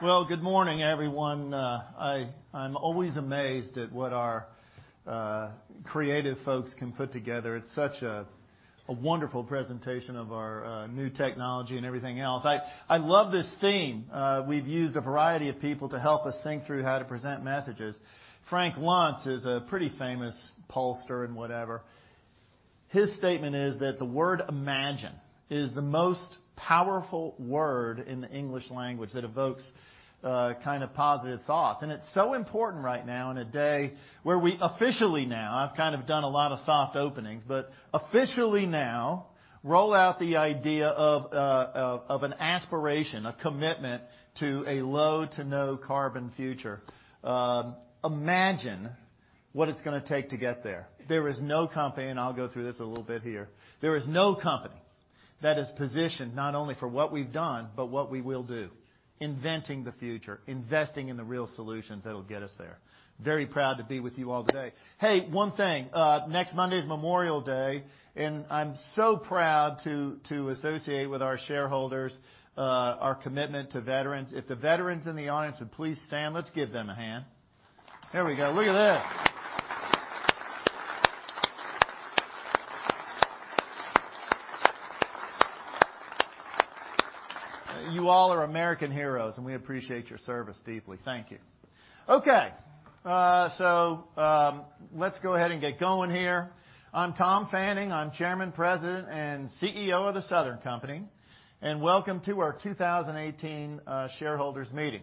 Well, good morning, everyone. I'm always amazed at what our creative folks can put together. It's such a wonderful presentation of our new technology and everything else. I love this theme. We've used a variety of people to help us think through how to present messages. Frank Luntz is a pretty famous pollster and whatever. His statement is that the word imagine is the most powerful word in the English language that evokes positive thoughts. It's so important right now in a day where we officially now, I've kind of done a lot of soft openings, but officially now roll out the idea of an aspiration, a commitment to a low to no carbon future. Imagine what it's going to take to get there. There is no company, and I'll go through this a little bit here. There is no company that is positioned not only for what we've done, but what we will do. Inventing the future, investing in the real solutions that'll get us there. Very proud to be with you all today. Hey, one thing. Next Monday is Memorial Day, and I'm so proud to associate with our shareholders our commitment to veterans. If the veterans in the audience would please stand, let's give them a hand. There we go. Look at this. You all are American heroes, and we appreciate your service deeply. Thank you. Okay. Let's go ahead and get going here. I'm Tom Fanning. I'm Chairman, President, and CEO of The Southern Company, and welcome to our 2018 shareholders meeting.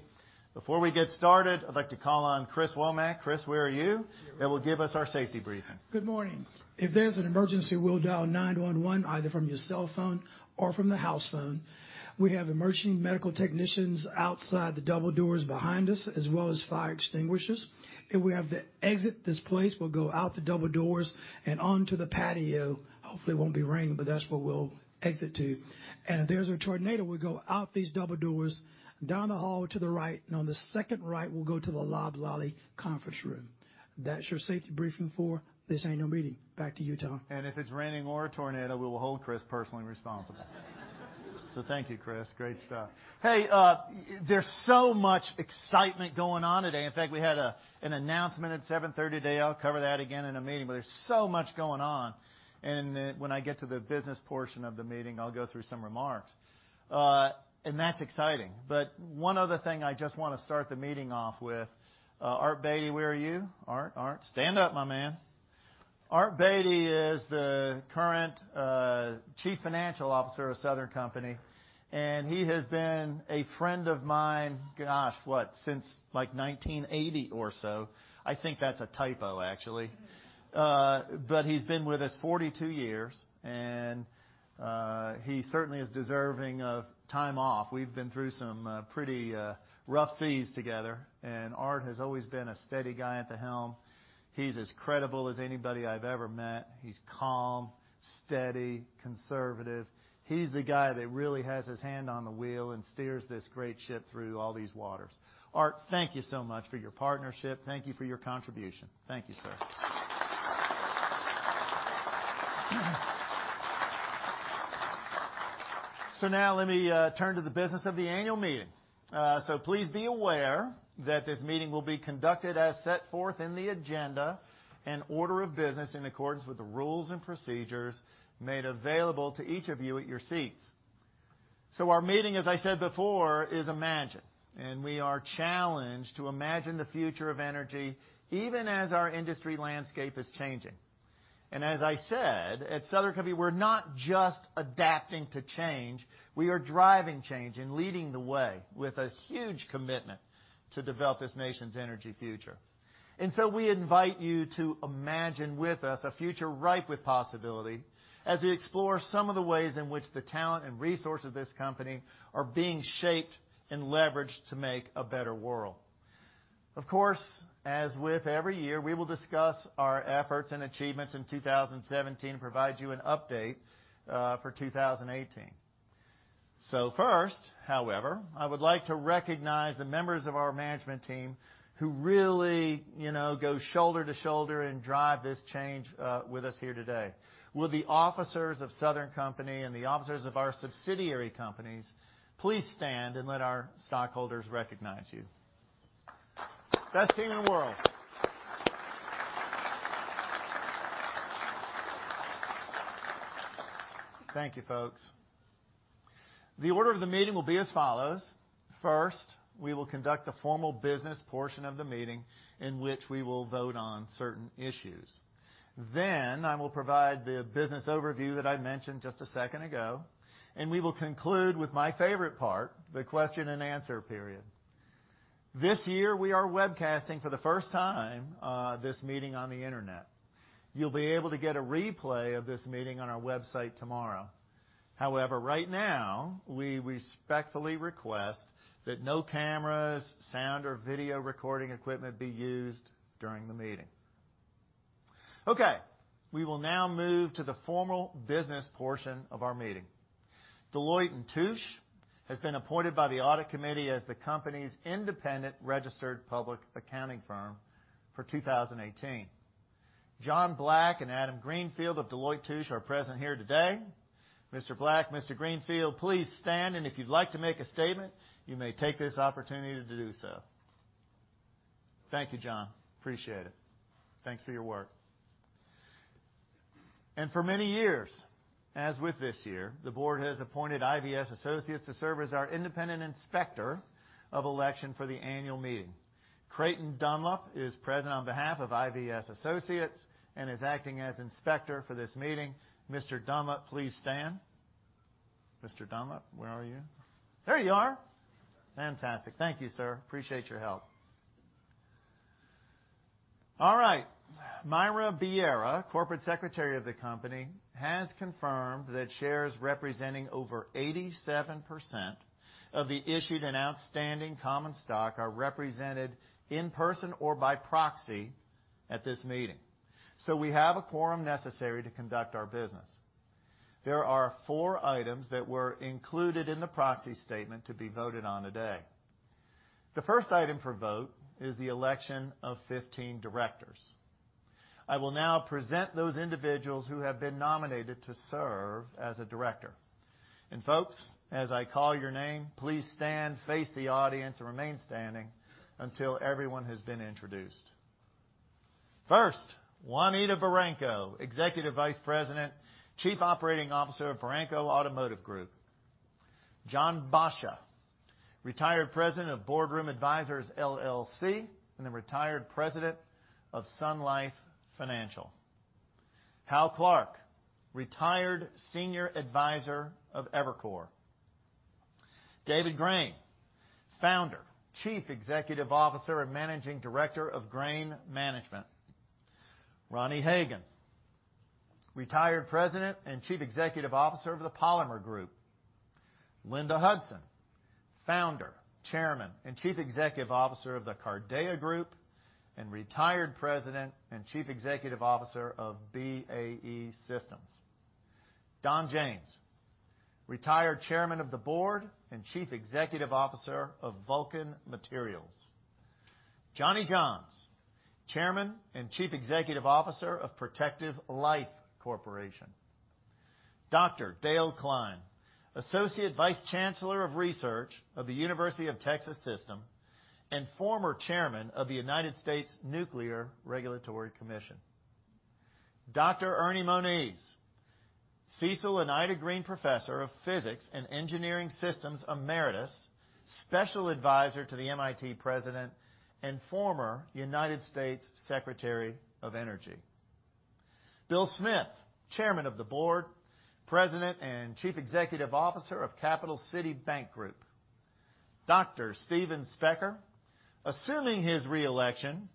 Before we get started, I'd like to call on Chris Womack. Chris, where are you? Here. That will give us our safety briefing. Good morning. If there's an emergency, we'll dial 911 either from your cellphone or from the house phone. We have emergency medical technicians outside the double doors behind us, as well as fire extinguishers. If we have to exit this place, we'll go out the double doors and onto the patio. Hopefully it won't be raining, but that's what we'll exit to. If there's a tornado, we'll go out these double doors, down the hall to the right, and on the second right, we'll go to the Loblolly Conference Room. That's your safety briefing for this AGM meeting. Back to you, Tom. If it's raining or a tornado, we will hold Chris personally responsible. Thank you, Chris. Great stuff. There's so much excitement going on today. In fact, we had an announcement at 7:30 today. I'll cover that again in a meeting. There's so much going on. When I get to the business portion of the meeting, I'll go through some remarks. That's exciting. One other thing I just want to start the meeting off with. Art Beattie, where are you? Art, stand up my man. Art Beattie is the current Chief Financial Officer of Southern Company, and he has been a friend of mine, gosh, what, since like 1980 or so. I think that's a typo, actually. He's been with us 42 years, and he certainly is deserving of time off. We've been through some pretty rough seas together. Art has always been a steady guy at the helm. He's as credible as anybody I've ever met. He's calm, steady, conservative. He's the guy that really has his hand on the wheel and steers this great ship through all these waters. Art, thank you so much for your partnership. Thank you for your contribution. Thank you, sir. Now let me turn to the business of the annual meeting. Please be aware that this meeting will be conducted as set forth in the agenda and order of business in accordance with the rules and procedures made available to each of you at your seats. Our meeting, as I said before, is Imagine. We are challenged to imagine the future of energy, even as our industry landscape is changing. As I said, at Southern Company, we're not just adapting to change. We are driving change and leading the way with a huge commitment to develop this nation's energy future. We invite you to imagine with us a future ripe with possibility as we explore some of the ways in which the talent and resources of this company are being shaped and leveraged to make a better world. Of course, as with every year, we will discuss our efforts and achievements in 2017 and provide you an update for 2018. First, however, I would like to recognize the members of our management team who really go shoulder to shoulder and drive this change with us here today. Will the officers of Southern Company and the officers of our subsidiary companies please stand and let our stockholders recognize you? Best team in the world. Thank you, folks. The order of the meeting will be as follows. First, we will conduct the formal business portion of the meeting in which we will vote on certain issues. I will provide the business overview that I mentioned just a second ago. We will conclude with my favorite part, the question and answer period. This year, we are webcasting for the first time this meeting on the internet. You'll be able to get a replay of this meeting on our website tomorrow. However, right now, we respectfully request that no cameras, sound, or video recording equipment be used during the meeting. We will now move to the formal business portion of our meeting. Deloitte & Touche has been appointed by the Audit Committee as the company's independent registered public accounting firm for 2018. John Black and Adam Greenfield of Deloitte & Touche are present here today. Mr. Black, Mr. Greenfield, please stand, and if you'd like to make a statement, you may take this opportunity to do so. Thank you, John. Appreciate it. Thanks for your work. For many years, as with this year, the board has appointed IVS Associates to serve as our independent inspector of election for the annual meeting. Creighton Dunlap is present on behalf of IVS Associates and is acting as inspector for this meeting. Mr. Dunlap, please stand. Mr. Dunlap, where are you? There you are. Fantastic. Thank you, sir. Appreciate your help. All right. Myra Vieira, corporate secretary of the company, has confirmed that shares representing over 87% of the issued and outstanding common stock are represented in person or by proxy at this meeting. We have a quorum necessary to conduct our business. There are four items that were included in the proxy statement to be voted on today. The first item for vote is the election of 15 directors. I will now present those individuals who have been nominated to serve as a director. Folks, as I call your name, please stand, face the audience, and remain standing until everyone has been introduced. First, Juanita Baranco, Executive Vice President, Chief Operating Officer of Baranco Automotive Group. Jon A. Boscia, Retired President of Boardroom Advisors LLC, and the Retired President of Sun Life Financial. Hal Clark, Retired Senior Advisor of Evercore. David Grain, Founder, Chief Executive Officer, and Managing Director of Grain Management. Ronnie Hage, Retired President and Chief Executive Officer of the Polymer Group. Linda Hudson, Founder, Chairman, and Chief Executive Officer of the Cardea Group, and Retired President and Chief Executive Officer of BAE Systems. Don James, Retired Chairman of the Board and Chief Executive Officer of Vulcan Materials. Johnny Johns, Chairman and Chief Executive Officer of Protective Life Corporation. Dr. Dale Klein, Associate Vice Chancellor of Research of the University of Texas System and former Chairman of the United States Nuclear Regulatory Commission. Dr. Ernie Moniz, Cecil and Ida Green Professor of Physics and Engineering Systems, Emeritus Special Advisor to the MIT president, and former United States Secretary of Energy. Bill Smith, Chairman of the Board, President, and Chief Executive Officer of Capital City Bank Group. Dr. Steven Specker, assuming his re-election,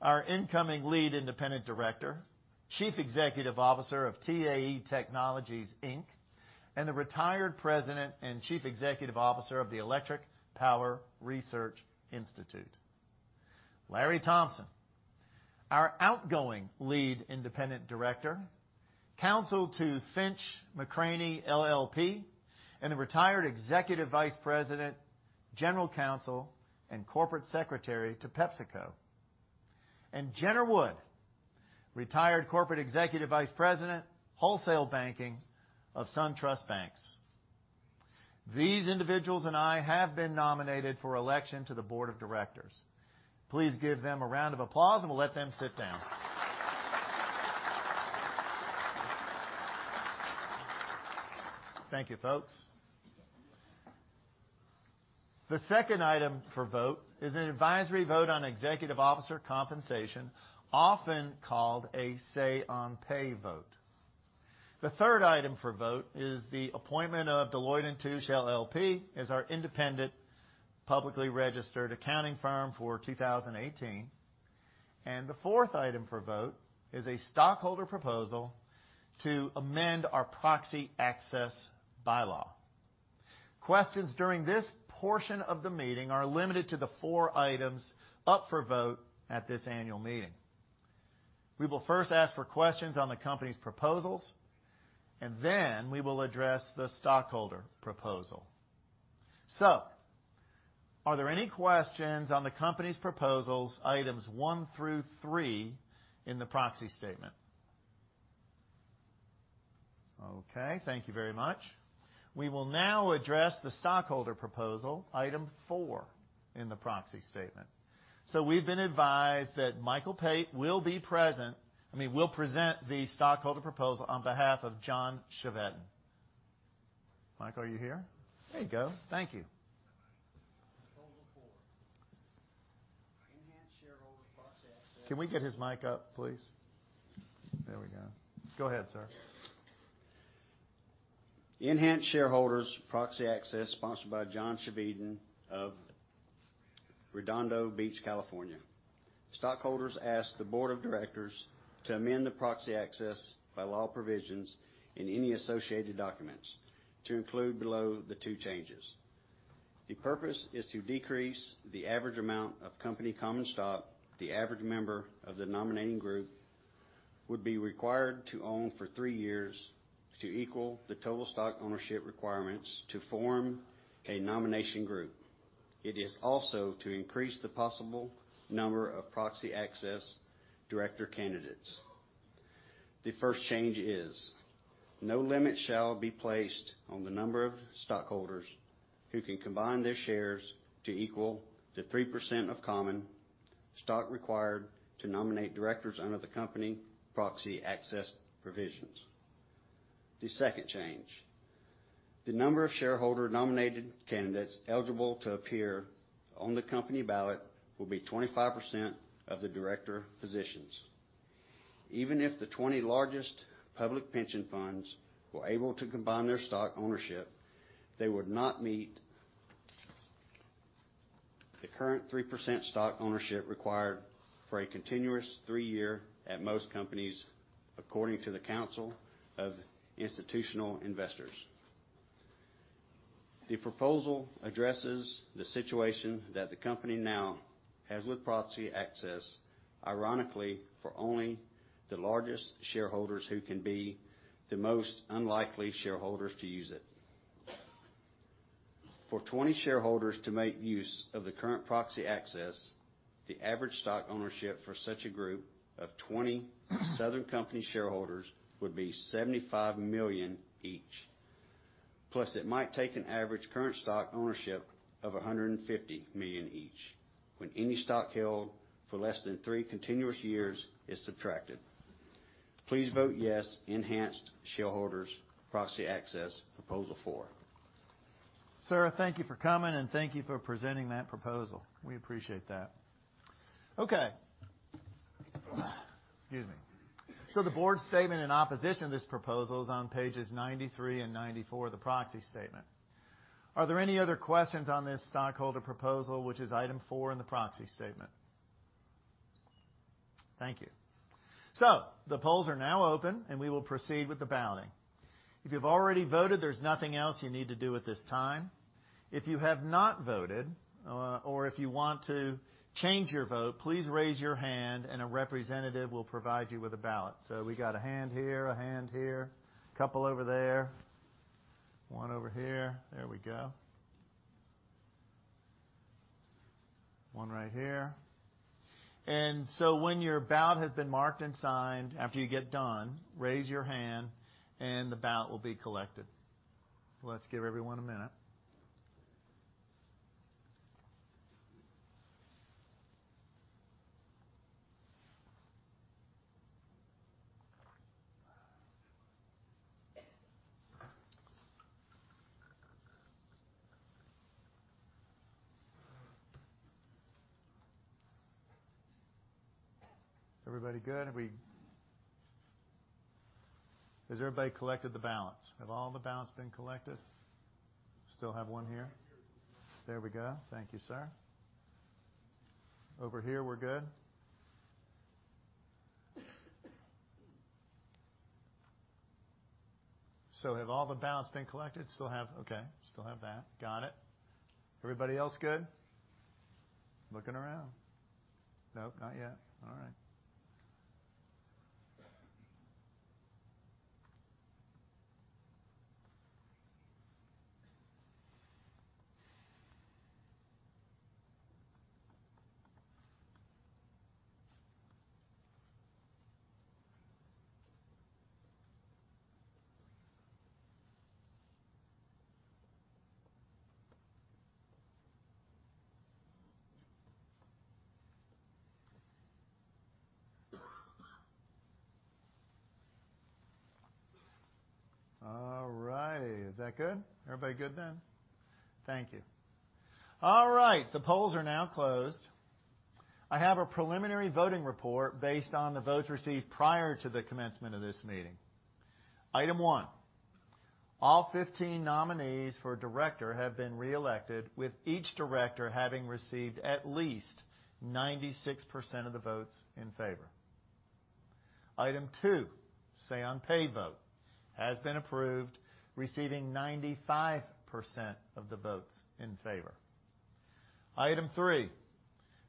our incoming Lead Independent Director, Chief Executive Officer of TAE Technologies Inc., and the Retired President and Chief Executive Officer of the Electric Power Research Institute. Larry Thompson, our outgoing Lead Independent Director, counsel to Finch McCranie LLP, and the Retired Executive Vice President, General Counsel, and Corporate Secretary to PepsiCo. Jenner Wood, Retired Corporate Executive Vice President, Wholesale Banking of SunTrust Banks. These individuals and I have been nominated for election to the board of directors. Please give them a round of applause, and we'll let them sit down. Thank you, folks. The second item for vote is an advisory vote on executive officer compensation, often called a say on pay vote. The third item for vote is the appointment of Deloitte & Touche LLP as our independent publicly registered accounting firm for 2018. The fourth item for vote is a stockholder proposal to amend our proxy access bylaw. Questions during this portion of the meeting are limited to the four items up for vote at this annual meeting. We will first ask for questions on the company's proposals, then we will address the stockholder proposal. Are there any questions on the company's proposals, items one through three in the proxy statement? Okay, thank you very much. We will now address the stockholder proposal, item four in the proxy statement. We've been advised that Michael Pate will present the stockholder proposal on behalf of John Chevedden. Mike, are you here? There you go. Thank you. Hold the floor. Enhance shareholder proxy access. Can we get his mic up, please? There we go. Go ahead, sir. Enhance shareholders proxy access, sponsored by John Chevedden of Redondo Beach, California. Stockholders ask the board of directors to amend the proxy access bylaw provisions in any associated documents to include below the two changes. The purpose is to decrease the average amount of company common stock the average member of the nominating group would be required to own for three years to equal the total stock ownership requirements to form a nomination group. It is also to increase the possible number of proxy access director candidates. The first change is no limit shall be placed on the number of stockholders who can combine their shares to equal the 3% of common stock required to nominate directors under the company proxy access provisions. The second change, the number of shareholder-nominated candidates eligible to appear on the company ballot will be 25% of the director positions. Even if the 20 largest public pension funds were able to combine their stock ownership, they would not meet the current 3% stock ownership required for a continuous three-year at most companies, according to the Council of Institutional Investors. The proposal addresses the situation that the company now has with proxy access, ironically, for only the largest shareholders who can be the most unlikely shareholders to use it. For 20 shareholders to make use of the current proxy access, the average stock ownership for such a group of 20 Southern Company shareholders would be $75 million each. Plus, it might take an average current stock ownership of $150 million each, when any stock held for less than three continuous years is subtracted. Please vote yes, enhanced shareholders proxy access Proposal four. Sarah, thank you for coming and thank you for presenting that proposal. We appreciate that. Okay. Excuse me. The board statement in opposition to this proposal is on pages 93 and 94 of the proxy statement. Are there any other questions on this stockholder proposal, which is Item four in the proxy statement? Thank you. The polls are now open, and we will proceed with the balloting. If you've already voted, there's nothing else you need to do at this time. If you have not voted, or if you want to change your vote, please raise your hand and a representative will provide you with a ballot. We got a hand here, a hand here, a couple over there, one over here. There we go. One right here. When your ballot has been marked and signed, after you get done, raise your hand and the ballot will be collected. Let's give everyone a minute. Everybody good? Has everybody collected the ballots? Have all the ballots been collected? Still have one here. There we go. Thank you, sir. Over here, we're good? Have all the ballots been collected? Okay, still have that. Got it. Everybody else good? Looking around. Nope, not yet. All right. All right. Is that good? Everybody good then? Thank you. All right. The polls are now closed. I have a preliminary voting report based on the votes received prior to the commencement of this meeting. Item one, all 15 nominees for director have been reelected with each director having received at least 96% of the votes in favor. Item two, say on pay vote has been approved, receiving 95% of the votes in favor. Item three,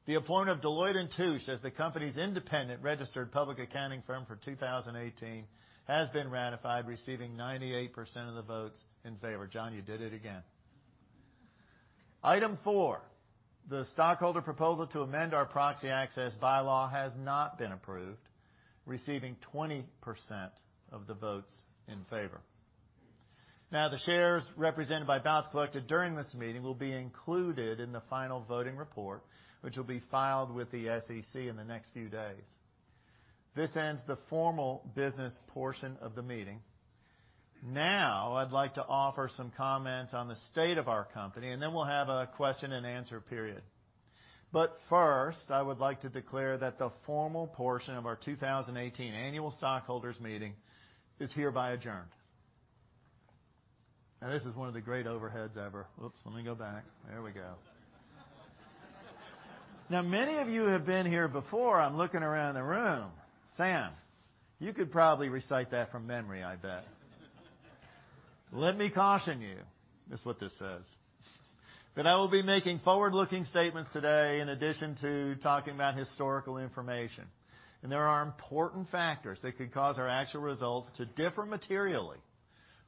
the appointment of Deloitte & Touche as the company's independent registered public accounting firm for 2018 has been ratified, receiving 98% of the votes in favor. John, you did it again. Item four, the stockholder proposal to amend our proxy access bylaws has not been approved, receiving 20% of the votes in favor. The shares represented by ballots collected during this meeting will be included in the final voting report, which will be filed with the SEC in the next few days. This ends the formal business portion of the meeting. I'd like to offer some comments on the state of our company, and then we'll have a question and answer period. First, I would like to declare that the formal portion of our 2018 annual stockholders meeting is hereby adjourned. This is one of the great overheads ever. Oops, let me go back. There we go. Many of you have been here before. I'm looking around the room. Sam, you could probably recite that from memory, I bet. "Let me caution you," is what this says, "that I will be making forward-looking statements today in addition to talking about historical information. There are important factors that could cause our actual results to differ materially."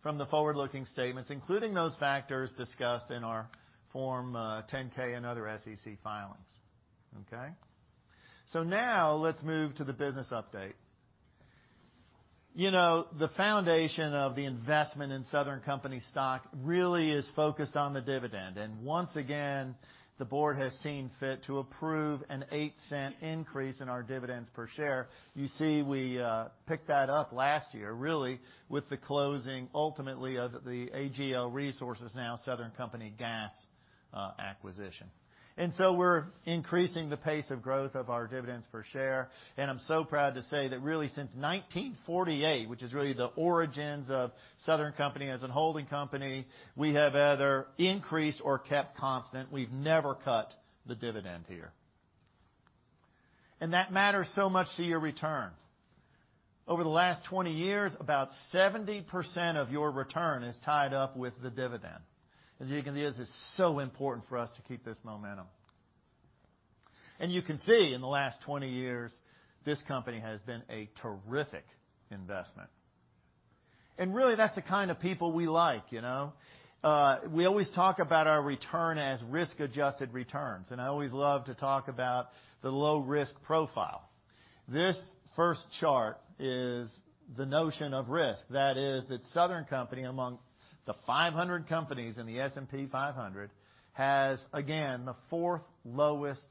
From the forward-looking statements, including those factors discussed in our Form 10-K and other SEC filings. Okay? Let's move to the business update. The foundation of the investment in Southern Company stock really is focused on the dividend. Once again, the board has seen fit to approve an $0.08 increase in our dividends per share. You see, we picked that up last year, really with the closing, ultimately, of the AGL Resources, now Southern Company Gas acquisition. We're increasing the pace of growth of our dividends per share. I'm so proud to say that really since 1948, which is really the origins of Southern Company as a holding company, we have either increased or kept constant. We've never cut the dividend here. That matters so much to your return. Over the last 20 years, about 70% of your return is tied up with the dividend. As you can see, this is so important for us to keep this momentum. You can see, in the last 20 years, this company has been a terrific investment. Really, that's the kind of people we like. We always talk about our return as risk-adjusted returns. I always love to talk about the low risk profile. This first chart is the notion of risk. That is that Southern Company, among the 500 companies in the S&P 500, has, again, the fourth lowest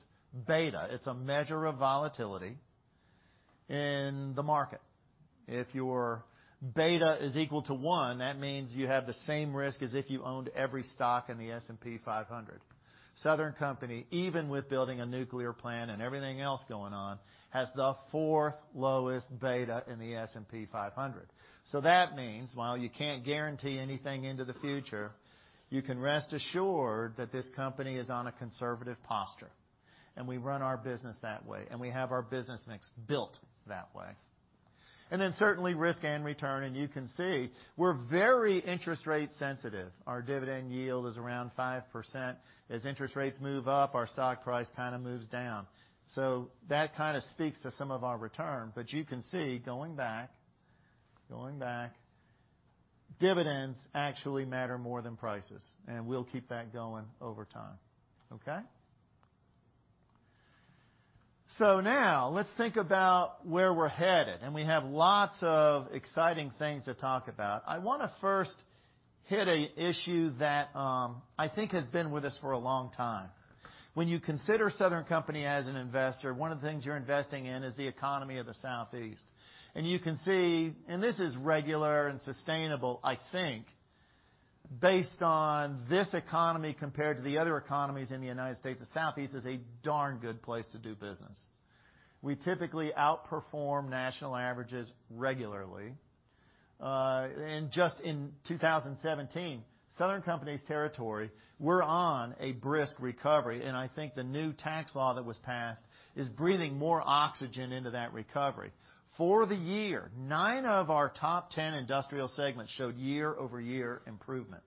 beta. It's a measure of volatility in the market. If your beta is equal to 1, that means you have the same risk as if you owned every stock in the S&P 500. Southern Company, even with building a nuclear plant and everything else going on, has the fourth lowest beta in the S&P 500. That means while you can't guarantee anything into the future, you can rest assured that this company is on a conservative posture. We run our business that way, and we have our business mix built that way. Certainly, risk and return, you can see we're very interest rate sensitive. Our dividend yield is around 5%. As interest rates move up, our stock price kind of moves down. That kind of speaks to some of our return. You can see, going back, dividends actually matter more than prices. We'll keep that going over time. Okay? Let's think about where we're headed. We have lots of exciting things to talk about. I want to first hit a issue that I think has been with us for a long time. When you consider Southern Company as an investor, one of the things you're investing in is the economy of the Southeast. You can see, this is regular and sustainable, I think, based on this economy compared to the other economies in the U.S., the Southeast is a darn good place to do business. We typically outperform national averages regularly. Just in 2017, Southern Company's territory, we're on a brisk recovery, I think the new tax law that was passed is breathing more oxygen into that recovery. For the year, 9 of our top 10 industrial segments showed year-over-year improvement.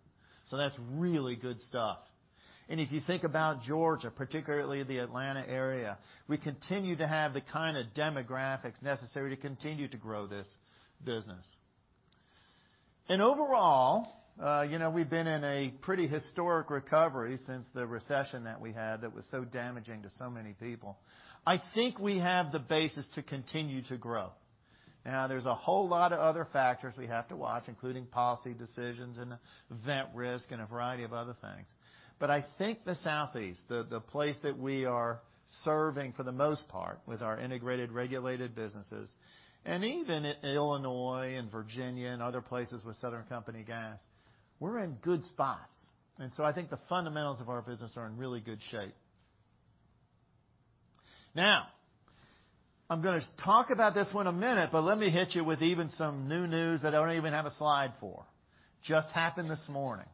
That's really good stuff. If you think about Georgia, particularly the Atlanta area, we continue to have the kind of demographics necessary to continue to grow this business. Overall, we've been in a pretty historic recovery since the recession that we had that was so damaging to so many people. I think we have the basis to continue to grow. There's a whole lot of other factors we have to watch, including policy decisions and event risk, a variety of other things. But I think the Southeast, the place that we are serving for the most part with our integrated regulated businesses, even Illinois and Virginia and other places with Southern Company Gas, we're in good spots. I think the fundamentals of our business are in really good shape. I'm going to talk about this one a minute, but let me hit you with even some new news that I don't even have a slide for. Just happened this morning.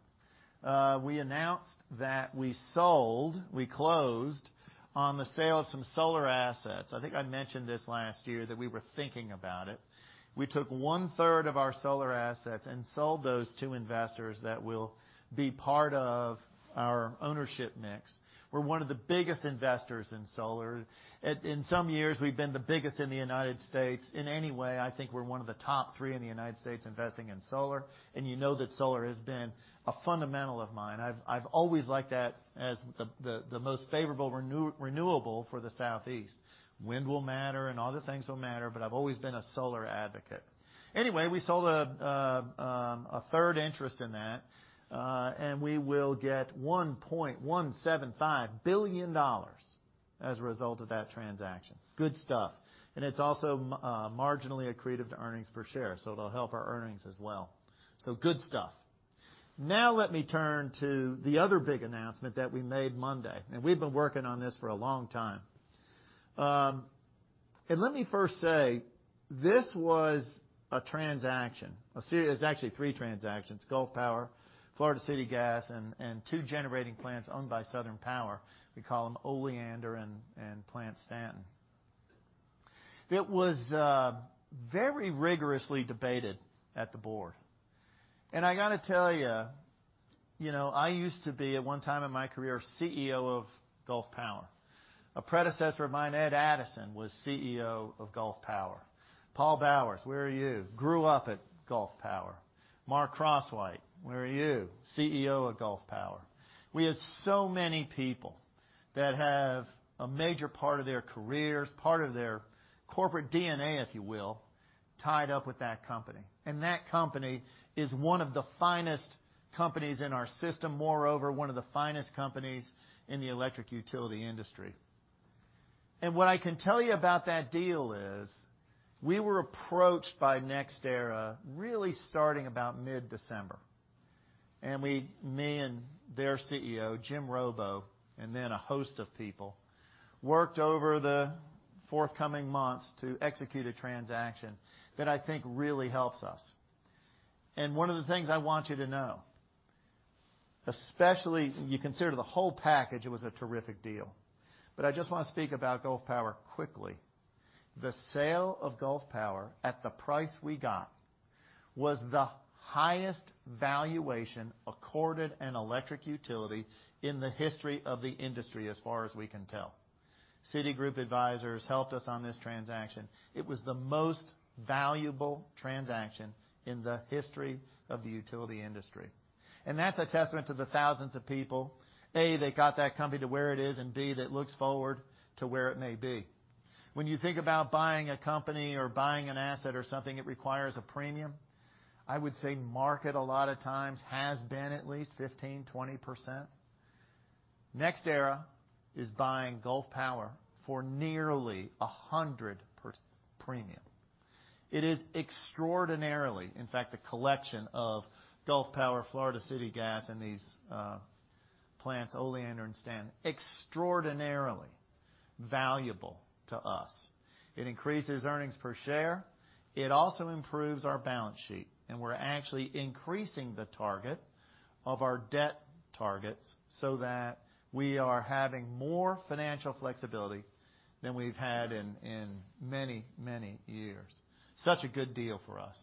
We announced that we sold, we closed on the sale of some solar assets. I think I mentioned this last year that we were thinking about it. We took one-third of our solar assets and sold those to investors that will be part of our ownership mix. We're one of the biggest investors in solar. In some years, we've been the biggest in the U.S. In any way, I think we're one of the top 3 in the U.S. investing in solar, you know that solar has been a fundamental of mine. I've always liked that as the most favorable renewable for the Southeast. Wind will matter and other things will matter, but I've always been a solar advocate. Anyway, we sold a one-third interest in that, we will get $1.175 billion as a result of that transaction. Good stuff. It's also marginally accretive to earnings per share, so it'll help our earnings as well. Good stuff. Let me turn to the other big announcement that we made Monday, we've been working on this for a long time. Let me first say, this was a transaction. It's actually 3 transactions, Gulf Power, Florida City Gas, and two generating plants owned by Southern Power. We call them Oleander and Plant Stanton. It was very rigorously debated at the board. I got to tell you I used to be, at one time in my career, CEO of Gulf Power. A predecessor of mine, Ed Addison, was CEO of Gulf Power. Paul Bowers, where are you? Grew up at Gulf Power. Mark Crosswhite, where are you? CEO of Gulf Power. We have so many people that have a major part of their careers, part of their corporate DNA, if you will, tied up with that company. That company is one of the finest companies in our system, moreover, one of the finest companies in the electric utility industry. What I can tell you about that deal is we were approached by NextEra really starting about mid-December. Me and their CEO, Jim Robo, and then a host of people, worked over the forthcoming months to execute a transaction that I think really helps us. One of the things I want you to know, especially when you consider the whole package, it was a terrific deal. I just want to speak about Gulf Power quickly. The sale of Gulf Power at the price we got was the highest valuation accorded an electric utility in the history of the industry, as far as we can tell. Citigroup advisors helped us on this transaction. It was the most valuable transaction in the history of the utility industry, That's a testament to the thousands of people, A, that got that company to where it is, and B, that looks forward to where it may be. When you think about buying a company or buying an asset or something, it requires a premium. I would say market, a lot of times, has been at least 15%-20%. NextEra is buying Gulf Power for nearly 100% premium. In fact, the collection of Gulf Power, Florida City Gas, and these plants, Oleander and Stanton, extraordinarily valuable to us. It increases earnings per share. It also improves our balance sheet, We're actually increasing the target of our debt targets so that we are having more financial flexibility than we've had in many, many years. Such a good deal for us.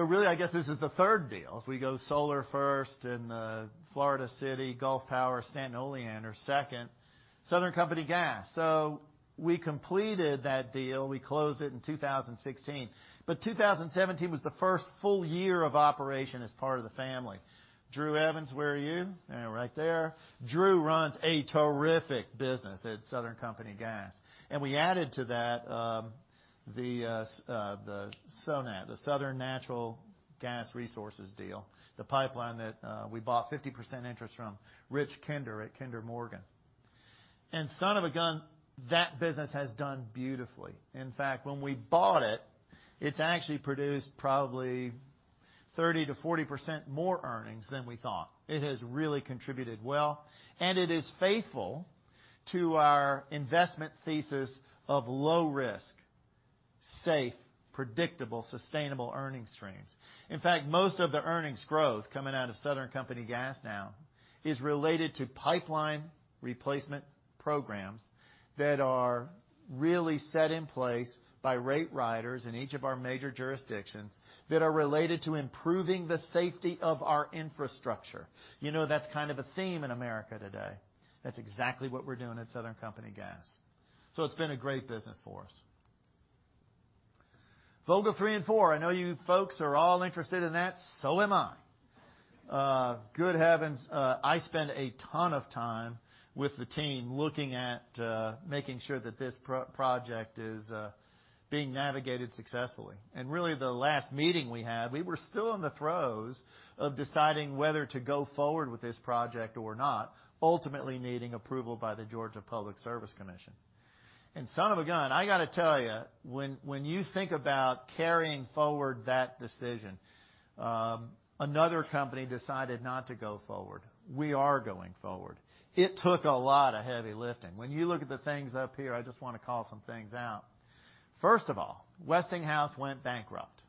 Really, I guess, this is the third deal. If we go solar first in the Florida City, Gulf Power, Stanton, Oleander second. Southern Company Gas. We completed that deal. We closed it in 2016. 2017 was the first full year of operation as part of the family. Drew Evans, where are you? Right there. Drew runs a terrific business at Southern Company Gas. We added to that the SONAT, the Southern Natural Gas resources deal, the pipeline that we bought 50% interest from Rich Kinder at Kinder Morgan. Son of a gun, that business has done beautifully. In fact, when we bought it's actually produced probably 30%-40% more earnings than we thought. It has really contributed well, and it is faithful to our investment thesis of low risk, safe, predictable, sustainable earning streams. In fact, most of the earnings growth coming out of Southern Company Gas now is related to pipeline replacement programs that are really set in place by rate riders in each of our major jurisdictions that are related to improving the safety of our infrastructure. You know, that's kind of a theme in America today. That's exactly what we're doing at Southern Company Gas. It's been a great business for us. Vogtle 3 and 4, I know you folks are all interested in that. Am I. Good heavens, I spend a ton of time with the team looking at making sure that this project is being navigated successfully. Really, the last meeting we had, we were still in the throes of deciding whether to go forward with this project or not, ultimately needing approval by the Georgia Public Service Commission. Son of a gun, I got to tell you, when you think about carrying forward that decision, another company decided not to go forward. We are going forward. It took a lot of heavy lifting. When you look at the things up here, I just want to call some things out. First of all, Westinghouse went bankrupt.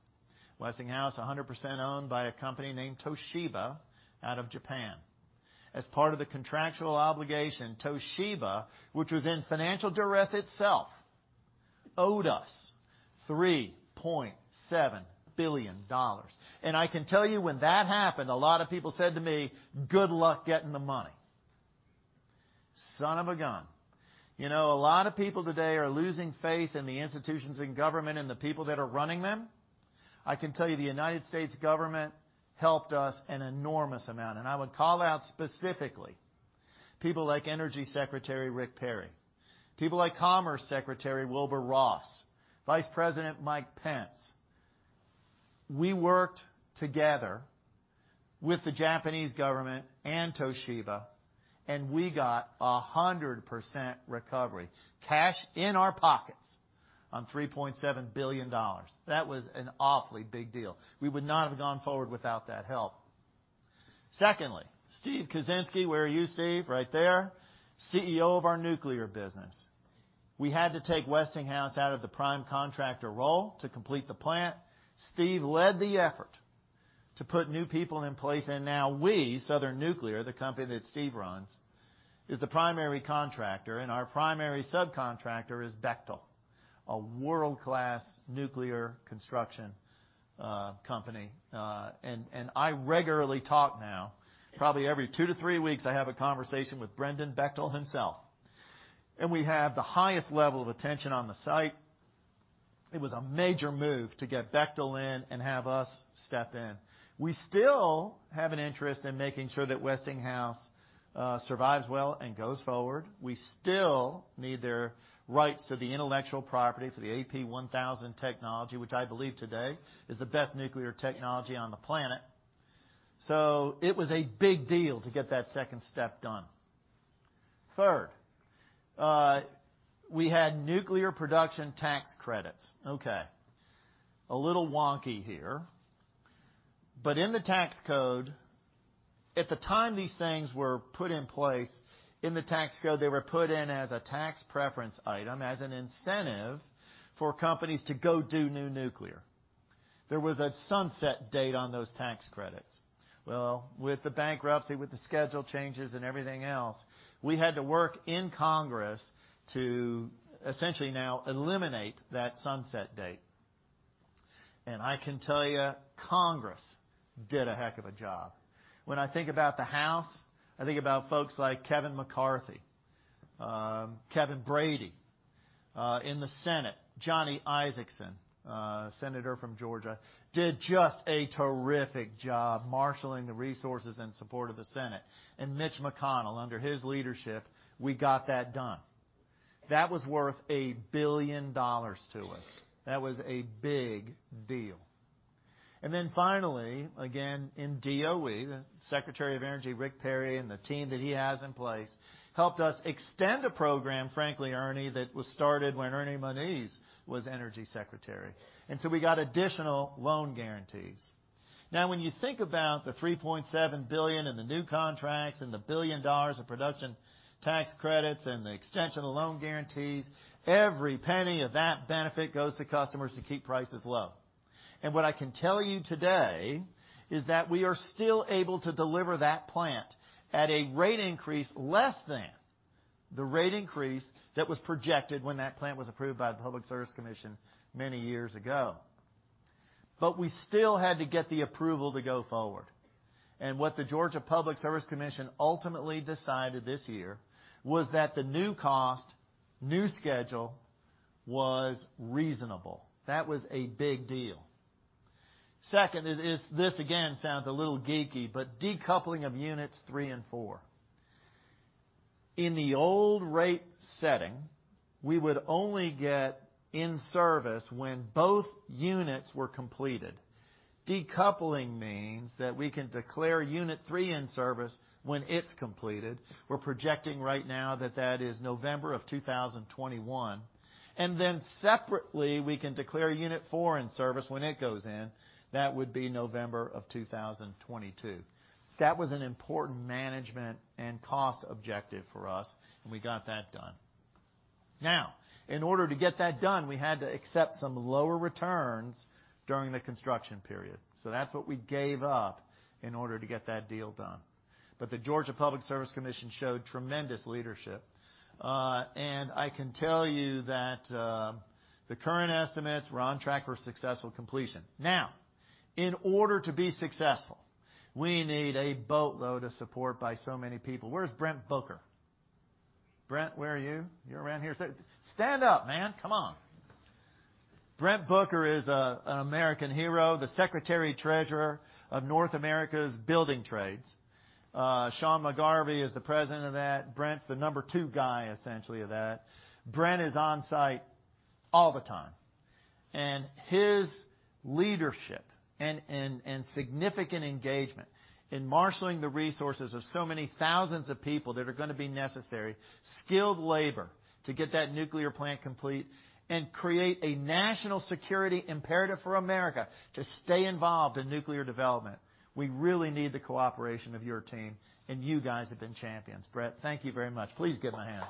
Westinghouse, 100% owned by a company named Toshiba out of Japan. As part of the contractual obligation, Toshiba, which was in financial duress itself, owed us $3.7 billion. I can tell you when that happened, a lot of people said to me, "Good luck getting the money." Son of a gun. A lot of people today are losing faith in the institutions in government and the people that are running them. I can tell you the United States government helped us an enormous amount. I would call out specifically people like Energy Secretary Rick Perry, people like Commerce Secretary Wilbur Ross, Vice President Mike Pence. We worked together with the Japanese government and Toshiba, we got 100% recovery, cash in our pockets on $3.7 billion. That was an awfully big deal. We would not have gone forward without that help. Secondly, Steve Kuczynski, where are you, Steve? Right there. CEO of our nuclear business. We had to take Westinghouse out of the prime contractor role to complete the plant. Steve led the effort to put new people in place, now we, Southern Nuclear, the company that Steve runs, is the primary contractor, and our primary subcontractor is Bechtel. A world-class nuclear construction company. I regularly talk now, probably every two to three weeks, I have a conversation with Brendan Bechtel himself. We have the highest level of attention on the site. It was a major move to get Bechtel in and have us step in. We still have an interest in making sure that Westinghouse survives well and goes forward. We still need their rights to the intellectual property for the AP1000 technology, which I believe today is the best nuclear technology on the planet. It was a big deal to get that second step done. Third, we had nuclear production tax credits. Okay. A little wonky here. In the tax code, at the time these things were put in place, in the tax code, they were put in as a tax preference item as an incentive for companies to go do new nuclear. There was a sunset date on those tax credits. With the bankruptcy, with the schedule changes and everything else, we had to work in Congress to essentially now eliminate that sunset date. I can tell you, Congress did a heck of a job. When I think about the House, I think about folks like Kevin McCarthy, Kevin Brady. In the Senate, Johnny Isakson, senator from Georgia, did just a terrific job marshaling the resources and support of the Senate. Mitch McConnell, under his leadership, we got that done. That was worth $1 billion to us. That was a big deal. Finally, again, in DOE, the Secretary of Energy, Rick Perry, and the team that he has in place helped us extend a program, frankly, Ernie, that was started when Ernie Moniz was Energy Secretary, until we got additional loan guarantees. When you think about the $3.7 billion in the new contracts and the $1 billion of production tax credits and the extension of loan guarantees, every penny of that benefit goes to customers to keep prices low. What I can tell you today is that we are still able to deliver that plant at a rate increase less than the rate increase that was projected when that plant was approved by the Georgia Public Service Commission many years ago. We still had to get the approval to go forward. What the Georgia Public Service Commission ultimately decided this year was that the new cost, new schedule, was reasonable. That was a big deal. Second, this, again, sounds a little geeky, decoupling of units 3 and 4. In the old rate setting, we would only get in service when both units were completed. Decoupling means that we can declare unit 3 in service when it's completed. We're projecting right now that that is November 2021. Separately, we can declare unit 4 in service when it goes in. That would be November 2022. That was an important management and cost objective for us, we got that done. In order to get that done, we had to accept some lower returns during the construction period. That's what we gave up in order to get that deal done. The Georgia Public Service Commission showed tremendous leadership. I can tell you that the current estimates, we're on track for successful completion. In order to be successful, we need a boatload of support by so many people. Where's Brent Booker? Brent, where are you? You're around here. Stand up, man. Come on. Brent Booker is an American hero, the secretary treasurer of North America's Building Trades. Sean McGarvey is the number 2 guy, essentially, of that. Brent is on site all the time. His leadership and significant engagement in marshaling the resources of so many thousands of people that are going to be necessary, skilled labor to get that nuclear plant complete and create a national security imperative for America to stay involved in nuclear development. We really need the cooperation of your team, you guys have been champions. Brent, thank you very much. Please give him a hand.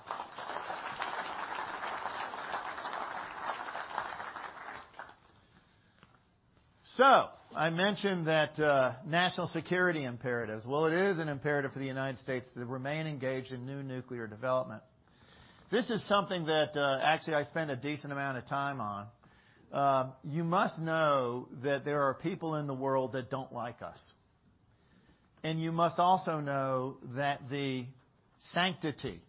I mentioned that national security imperative. It is an imperative for the U.S. to remain engaged in new nuclear development. This is something that actually I spend a decent amount of time on. You must know that there are people in the world that don't like us. You must also know that the sanctity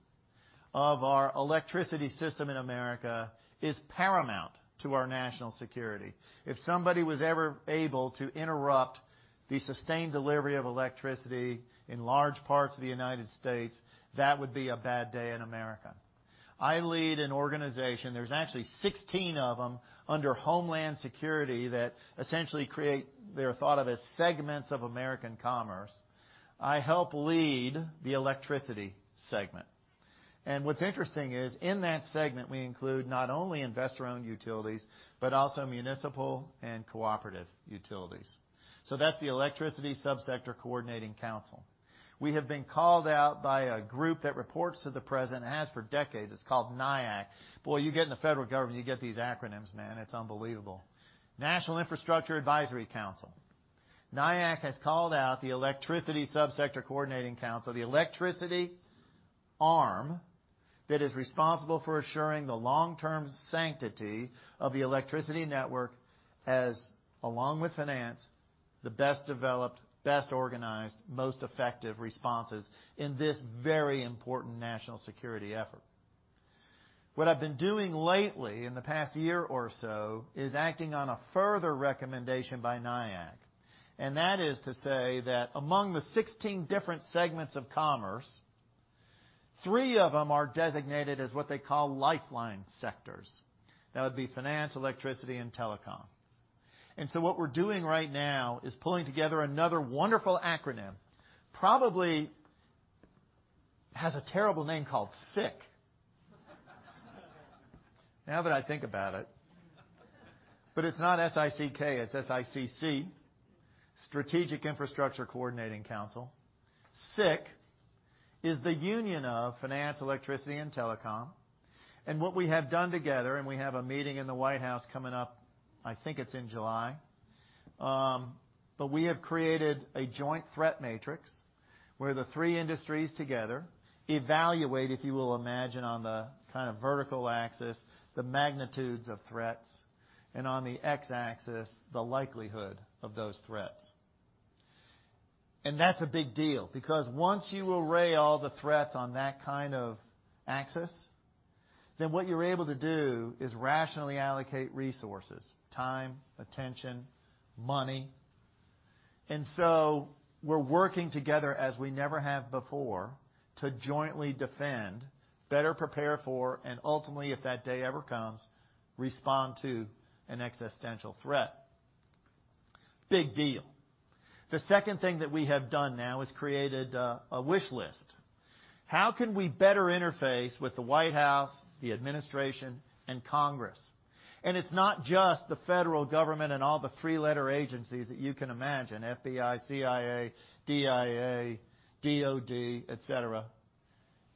of our electricity system in America is paramount to our national security. If somebody was ever able to interrupt the sustained delivery of electricity in large parts of the U.S., that would be a bad day in America. I lead an organization, there's actually 16 of them under Homeland Security that essentially create, they're thought of as segments of American commerce. I help lead the electricity segment. What's interesting is in that segment, we include not only investor-owned utilities, but also municipal and cooperative utilities. That's the Electricity Subsector Coordinating Council. We have been called out by a group that reports to the president, has for decades, it's called NIAC. Boy, you get in the Federal government, you get these acronyms, man, it's unbelievable. National Infrastructure Advisory Council. NIAC has called out the Electricity Subsector Coordinating Council, the electricity arm that is responsible for assuring the long-term sanctity of the electricity network as, along with finance, the best developed, best organized, most effective responses in this very important national security effort. What I've been doing lately, in the past year or so, is acting on a further recommendation by NIAC, and that is to say that among the 16 different segments of commerce, three of them are designated as what they call lifeline sectors. That would be finance, electricity, and telecom. What we're doing right now is pulling together another wonderful acronym, probably has a terrible name called SICC. Now that I think about it. But it's not S-I-C-K, it's S-I-C-C, Strategic Infrastructure Coordinating Council. SICC is the union of finance, electricity, and telecom, and what we have done together, and we have a meeting in the White House coming up, I think it's in July. We have created a joint threat matrix where the three industries together evaluate, if you will imagine on the kind of vertical axis, the magnitudes of threats, and on the X-axis, the likelihood of those threats. That's a big deal because once you array all the threats on that kind of axis, then what you're able to do is rationally allocate resources, time, attention, money. We're working together as we never have before to jointly defend, better prepare for, and ultimately, if that day ever comes, respond to an existential threat. Big deal. The second thing that we have done now is created a wish list. How can we better interface with the White House, the administration, and Congress? It's not just the federal government and all the three-letter agencies that you can imagine, FBI, CIA, DIA, DOD, et cetera.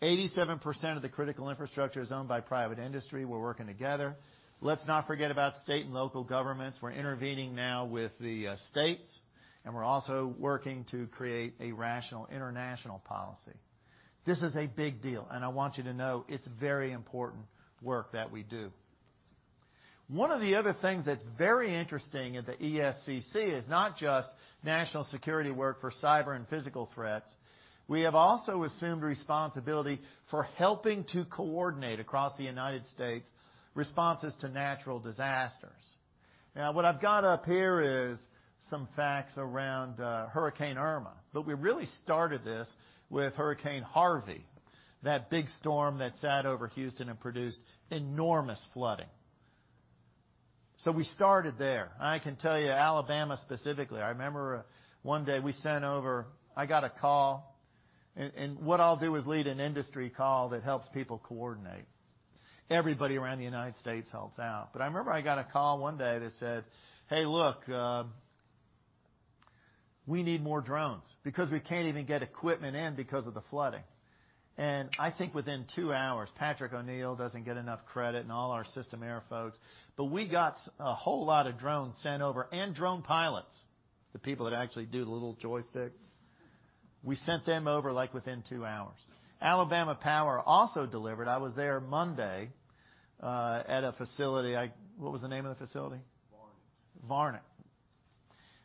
87% of the critical infrastructure is owned by private industry. We're working together. Let's not forget about state and local governments. We're intervening now with the states, and we're also working to create a rational international policy. This is a big deal, and I want you to know it's very important work that we do. One of the other things that's very interesting at the ESCC is not just national security work for cyber and physical threats. We have also assumed responsibility for helping to coordinate across the United States responses to natural disasters. What I've got up here is some facts around Hurricane Irma, but we really started this with Hurricane Harvey, that big storm that sat over Houston and produced enormous flooding. We started there. I can tell you, Alabama specifically, I remember one day we sent over I got a call, and what I'll do is lead an industry call that helps people coordinate. Everybody around the United States helps out. I remember I got a call one day that said, "Hey, look, we need more drones because we can't even get equipment in because of the flooding." I think within two hours, Patrick O'Neill doesn't get enough credit, and all our system air folks, but we got a whole lot of drones sent over and drone pilots, the people that actually do the little joystick. We sent them over within two hours. Alabama Power also delivered. I was there Monday, at a facility. What was the name of the facility? Varnen. Varnen,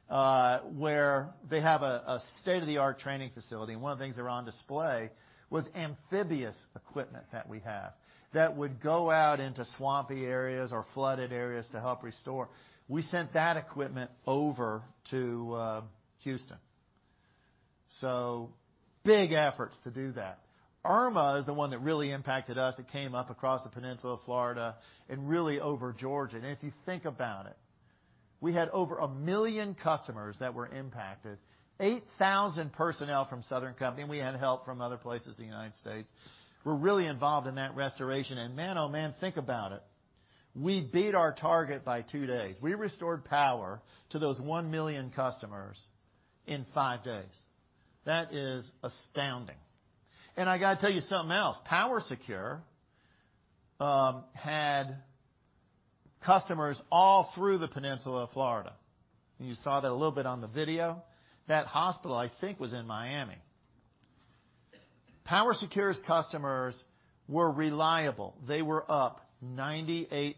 where they have a state-of-the-art training facility. One of the things that were on display was amphibious equipment that we have that would go out into swampy areas or flooded areas to help restore. We sent that equipment over to Houston. Big efforts to do that. Irma is the one that really impacted us. It came up across the peninsula of Florida and really over Georgia. If you think about it, we had over 1 million customers that were impacted, 8,000 personnel from Southern Company. We had help from other places in the United States, were really involved in that restoration. Man, oh, man, think about it. We beat our target by two days. We restored power to those 1 million customers in five days. That is astounding. I got to tell you something else. PowerSecure had customers all through the peninsula of Florida. You saw that a little bit on the video. That hospital, I think, was in Miami. PowerSecure's customers were reliable. They were up 98%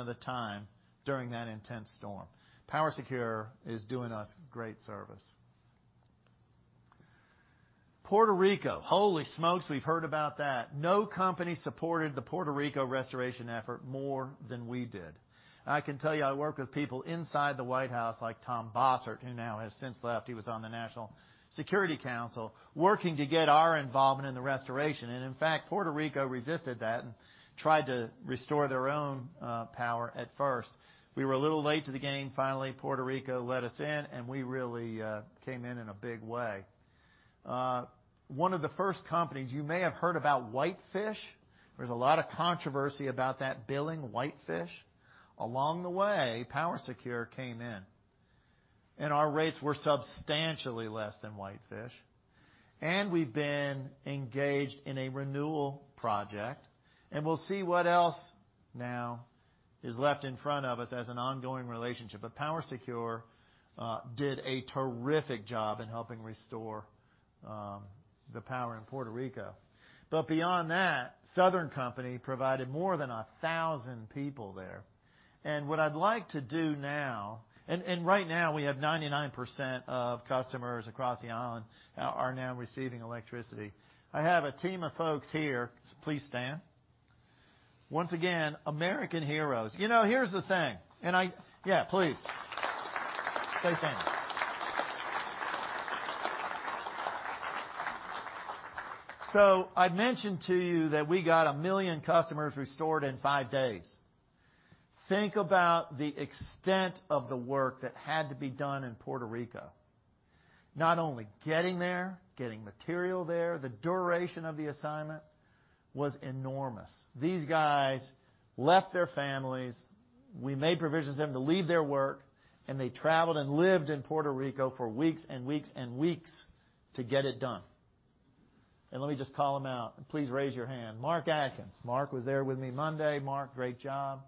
of the time during that intense storm. PowerSecure is doing us great service. Puerto Rico. Holy smokes, we've heard about that. No company supported the Puerto Rico restoration effort more than we did. I can tell you, I work with people inside the White House like Tom Bossert, who now has since left. He was on the National Security Council working to get our involvement in the restoration. In fact, Puerto Rico resisted that and tried to restore their own power at first. We were a little late to the game. Finally, Puerto Rico let us in and we really came in in a big way. One of the first companies, you may have heard about Whitefish. There's a lot of controversy about that billing, Whitefish. Along the way, PowerSecure came in. Our rates were substantially less than Whitefish. We've been engaged in a renewal project, and we'll see what else now is left in front of us as an ongoing relationship. PowerSecure did a terrific job in helping restore the power in Puerto Rico. Beyond that, Southern Company provided more than 1,000 people there. What I'd like to do now. Right now, we have 99% of customers across the island are now receiving electricity. I have a team of folks here. Please stand. Once again, American heroes. Here's the thing. Yeah, please. Stay standing. I mentioned to you that we got 1 million customers restored in five days. Think about the extent of the work that had to be done in Puerto Rico. Not only getting there, getting material there, the duration of the assignment was enormous. These guys left their families. We made provisions for them to leave their work, and they traveled and lived in Puerto Rico for weeks and weeks and weeks to get it done. Let me just call them out, and please raise your hand. Mark Atkins. Mark was there with me Monday. Mark, great job.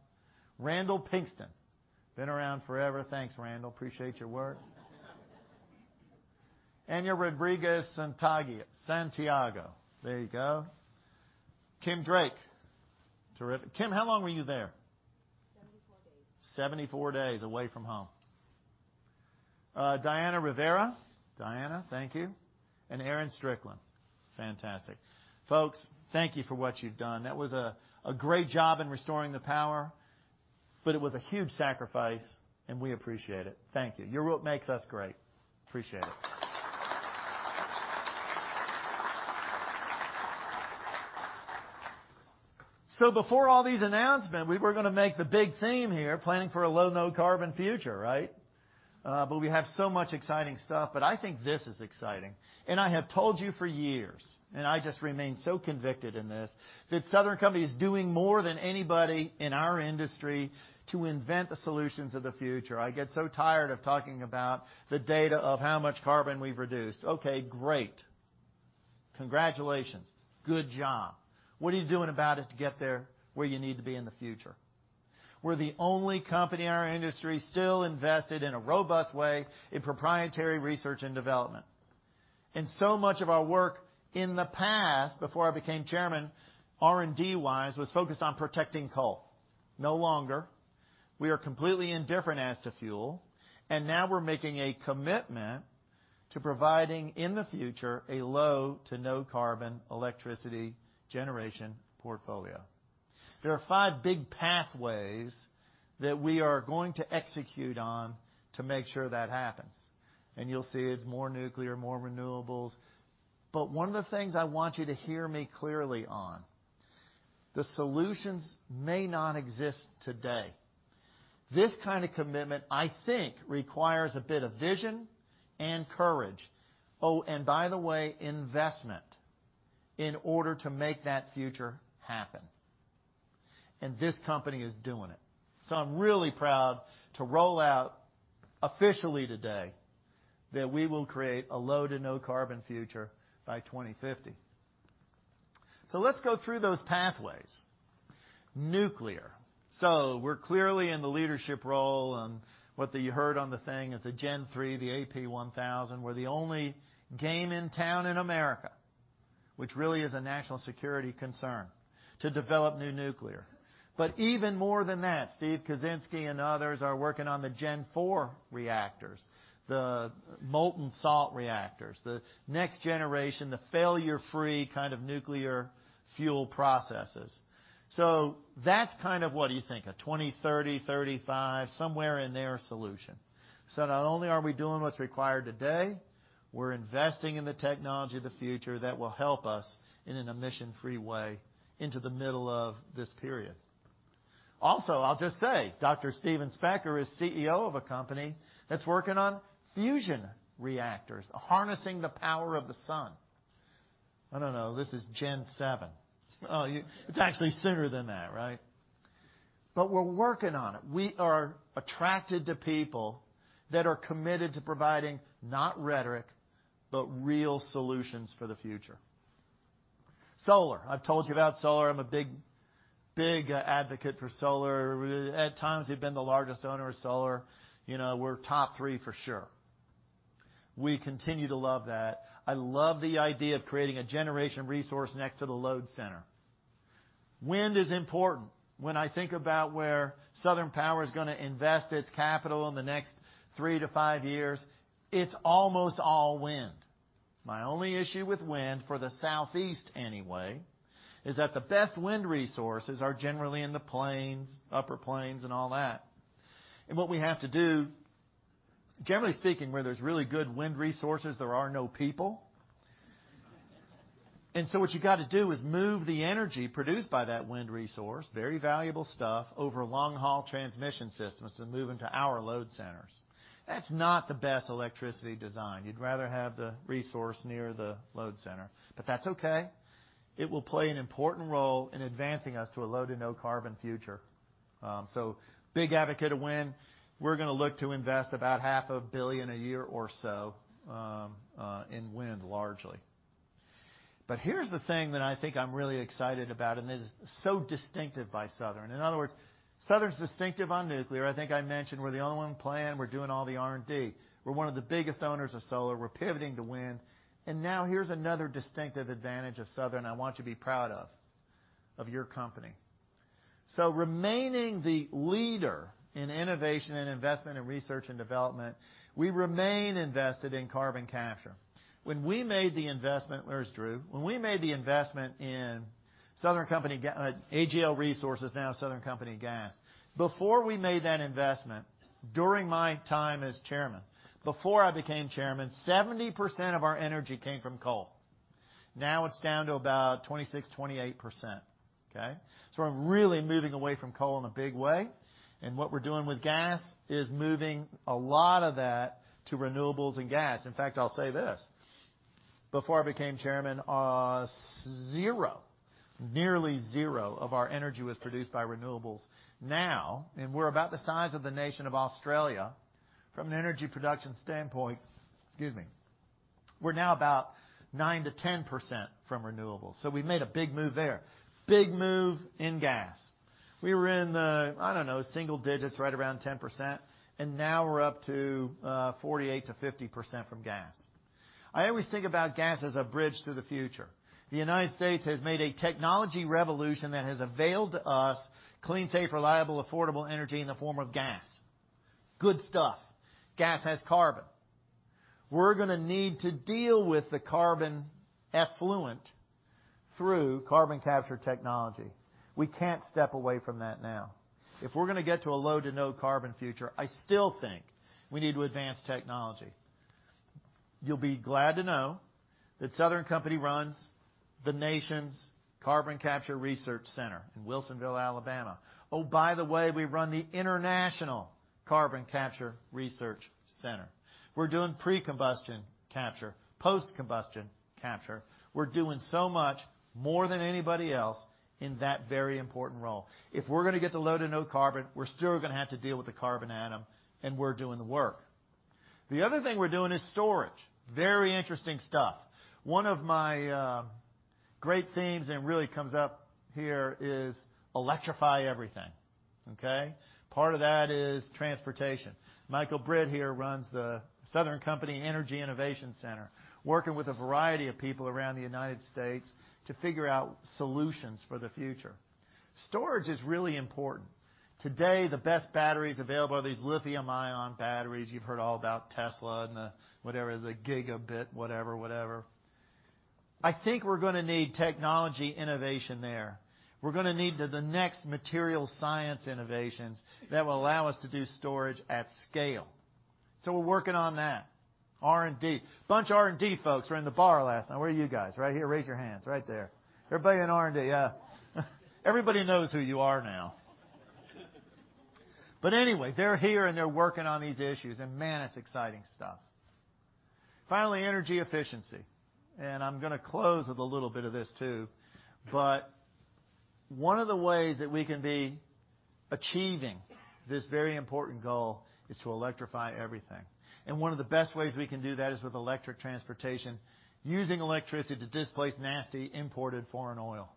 Randall Pinkston, been around forever. Thanks, Randall. Appreciate your work. Enya Rodriguez Santiago. There you go. Kim Drake. Terrific. Kim, how long were you there? 74 days. 74 days away from home. Diana Rivera. Diana, thank you. Aaron Strickland. Fantastic. Folks, thank you for what you've done. That was a great job in restoring the power, but it was a huge sacrifice, and we appreciate it. Thank you. You're what makes us great. Appreciate it. Before all these announcements, we were going to make the big theme here planning for a low/no carbon future, right? We have so much exciting stuff, but I think this is exciting. I have told you for years, and I just remain so convicted in this, that The Southern Company is doing more than anybody in our industry to invent the solutions of the future. I get so tired of talking about the data of how much carbon we've reduced. Okay, great. Congratulations. Good job. What are you doing about it to get there where you need to be in the future? We're the only company in our industry still invested in a robust way in proprietary research and development. So much of our work in the past, before I became chairman, R&D-wise, was focused on protecting coal. No longer. We are completely indifferent as to fuel, and now we're making a commitment to providing, in the future, a low to no carbon electricity generation portfolio. There are five big pathways that we are going to execute on to make sure that happens. You'll see it's more nuclear, more renewables. One of the things I want you to hear me clearly on, the solutions may not exist today. This kind of commitment, I think, requires a bit of vision and courage, oh, and by the way, investment in order to make that future happen. This company is doing it. I'm really proud to roll out officially today that we will create a low to no carbon future by 2050. Let's go through those pathways. Nuclear. We're clearly in the leadership role on what you heard on the thing is the Gen III, the AP1000. We're the only game in town in America, which really is a national security concern to develop new nuclear. Even more than that, Steve Kuczynski and others are working on the Gen IV reactors, the molten salt reactors, the next generation, the failure-free kind of nuclear fuel processes. That's kind of what you think, a 2030, 2035, somewhere in there solution. Not only are we doing what's required today, we're investing in the technology of the future that will help us in an emission-free way into the middle of this period. I'll just say, Dr. Steven Specker is CEO of a company that's working on fusion reactors, harnessing the power of the sun. I don't know. This is Gen 7. Oh, it's actually sooner than that, right? We're working on it. We are attracted to people that are committed to providing not rhetoric, but real solutions for the future. Solar. I've told you about solar. I'm a big advocate for solar. At times, we've been the largest owner of solar. We're top three for sure. We continue to love that. I love the idea of creating a generation resource next to the load center. Wind is important. When I think about where Southern Power is going to invest its capital in the next 3 to 5 years, it's almost all wind. My only issue with wind for the Southeast, anyway, is that the best wind resources are generally in the plains, upper plains, and all that. What we have to do, generally speaking, where there's really good wind resources, there are no people. What you got to do is move the energy produced by that wind resource, very valuable stuff, over long-haul transmission systems to move into our load centers. That's not the best electricity design. You'd rather have the resource near the load center. That's okay. It will play an important role in advancing us to a low to no carbon future. Big advocate of wind. We're going to look to invest about half a billion a year or so in wind largely. Here's the thing that I think I'm really excited about, and it is so distinctive by Southern. In other words, Southern's distinctive on nuclear. I think I mentioned we're the only one playing, we're doing all the R&D. We're one of the biggest owners of solar, we're pivoting to wind, now here's another distinctive advantage of Southern I want you to be proud of your company. Remaining the leader in innovation and investment in research and development, we remain invested in carbon capture. Where's Drew? When we made the investment in AGL Resources, now Southern Company Gas, before we made that investment, during my time as chairman, before I became chairman, 70% of our energy came from coal. Now it's down to about 26%, 28%. Okay? I'm really moving away from coal in a big way, and what we're doing with gas is moving a lot of that to renewables and gas. In fact, I'll say this. Before I became chairman, nearly zero of our energy was produced by renewables now, and we're about the size of the nation of Australia from an energy production standpoint. Excuse me. We're now about 9%-10% from renewables. We've made a big move there. Big move in gas. We were in the, I don't know, single digits, right around 10%, and now we're up to 48%-50% from gas. I always think about gas as a bridge to the future. The U.S. has made a technology revolution that has availed to us clean, safe, reliable, affordable energy in the form of gas. Good stuff. Gas has carbon. We're going to need to deal with the carbon effluent through carbon capture technology. We can't step away from that now. If we're going to get to a low to no carbon future, I still think we need to advance technology. You'll be glad to know that Southern Company runs the nation's Carbon Capture Research Center in Wilsonville, Alabama. Oh, by the way, we run the International Carbon Capture Research Center. We're doing pre-combustion capture, post-combustion capture. We're doing so much more than anybody else in that very important role. If we're going to get to low to no carbon, we're still going to have to deal with the carbon atom, and we're doing the work. The other thing we're doing is storage. Very interesting stuff. One of my great themes, and it really comes up here, is electrify everything. Okay? Part of that is transportation. Michael Britt here runs the Southern Company Energy Innovation Center, working with a variety of people around the U.S. to figure out solutions for the future. Storage is really important. Today, the best batteries available are these lithium-ion batteries. You've heard all about Tesla and the whatever, the gigabit, whatever. I think we're going to need technology innovation there. We're going to need the next material science innovations that will allow us to do storage at scale. We're working on that. R&D. Bunch of R&D folks were in the bar last night. Where are you guys? Right here, raise your hands. Right there. Everybody in R&D, yeah. Everybody knows who you are now. Anyway, they're here, and they're working on these issues. Man, it's exciting stuff. Finally, energy efficiency. I'm going to close with a little bit of this, too. One of the ways that we can be achieving this very important goal is to electrify everything. One of the best ways we can do that is with electric transportation, using electricity to displace nasty imported foreign oil.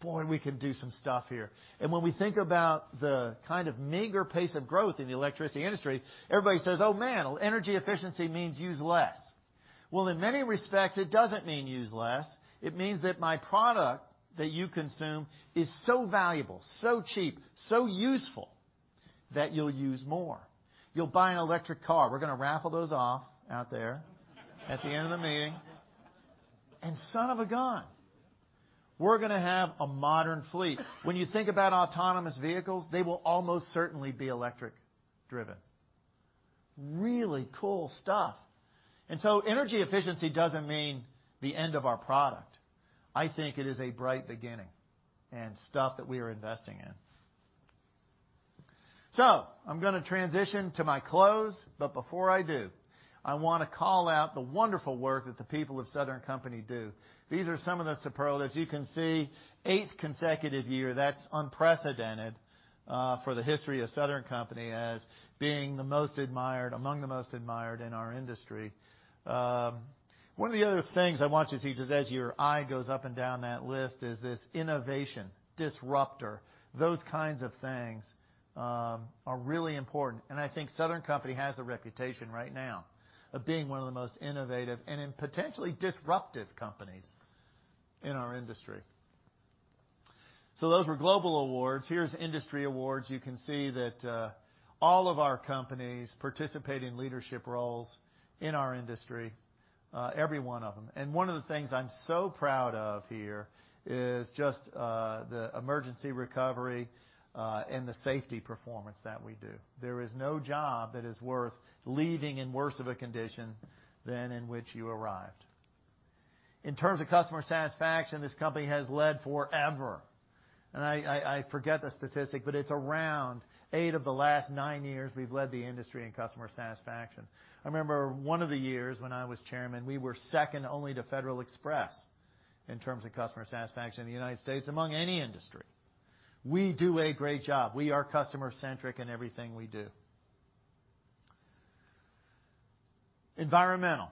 Boy, we can do some stuff here. When we think about the kind of meager pace of growth in the electricity industry, everybody says, "Oh, man, energy efficiency means use less." Well, in many respects, it doesn't mean use less. It means that my product that you consume is so valuable, so cheap, so useful that you'll use more. You'll buy an electric car. We're going to raffle those off out there at the end of the meeting. Son of a gun, we're gonna have a modern fleet. When you think about autonomous vehicles, they will almost certainly be electric driven. Really cool stuff. Energy efficiency doesn't mean the end of our product. I think it is a bright beginning and stuff that we are investing in. I'm going to transition to my close, but before I do, I want to call out the wonderful work that the people of Southern Company do. These are some of the superlatives. You can see eighth consecutive year, that's unprecedented for the history of Southern Company as being among the most admired in our industry. One of the other things I want you to see just as your eye goes up and down that list is this innovation disruptor. Those kinds of things are really important, and I think Southern Company has a reputation right now of being one of the most innovative and potentially disruptive companies in our industry. Those were global awards. Here's industry awards. You can see that all of our companies participate in leadership roles in our industry, every one of them. One of the things I'm so proud of here is just the emergency recovery and the safety performance that we do. There is no job that is worth leaving in worse of a condition than in which you arrived. In terms of customer satisfaction, this company has led forever. I forget the statistic, but it's around eight of the last nine years we've led the industry in customer satisfaction. I remember one of the years when I was chairman, we were second only to Federal Express in terms of customer satisfaction in the U.S. among any industry. We do a great job. We are customer-centric in everything we do. Environmental.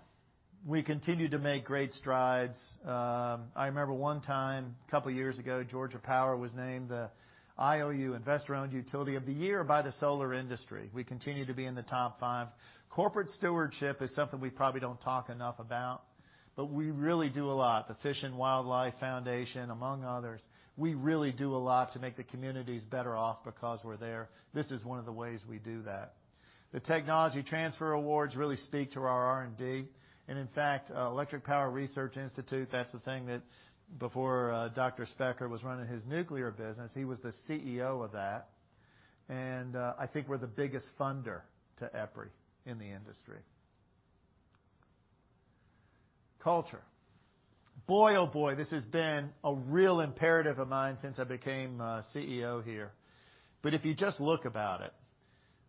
We continue to make great strides. I remember one time a couple of years ago, Georgia Power was named the IOU Investor-Owned Utility of the Year by the solar industry. We continue to be in the top five. Corporate stewardship is something we probably don't talk enough about, but we really do a lot. The Fish and Wildlife Foundation, among others. We really do a lot to make the communities better off because we're there. This is one of the ways we do that. The technology transfer awards really speak to our R&D. In fact, Electric Power Research Institute, that's the thing that before Dr. Specker was running his nuclear business, he was the CEO of that. I think we're the biggest funder to EPRI in the industry. Culture. Boy, oh, boy, this has been a real imperative of mine since I became CEO here. If you just look about it,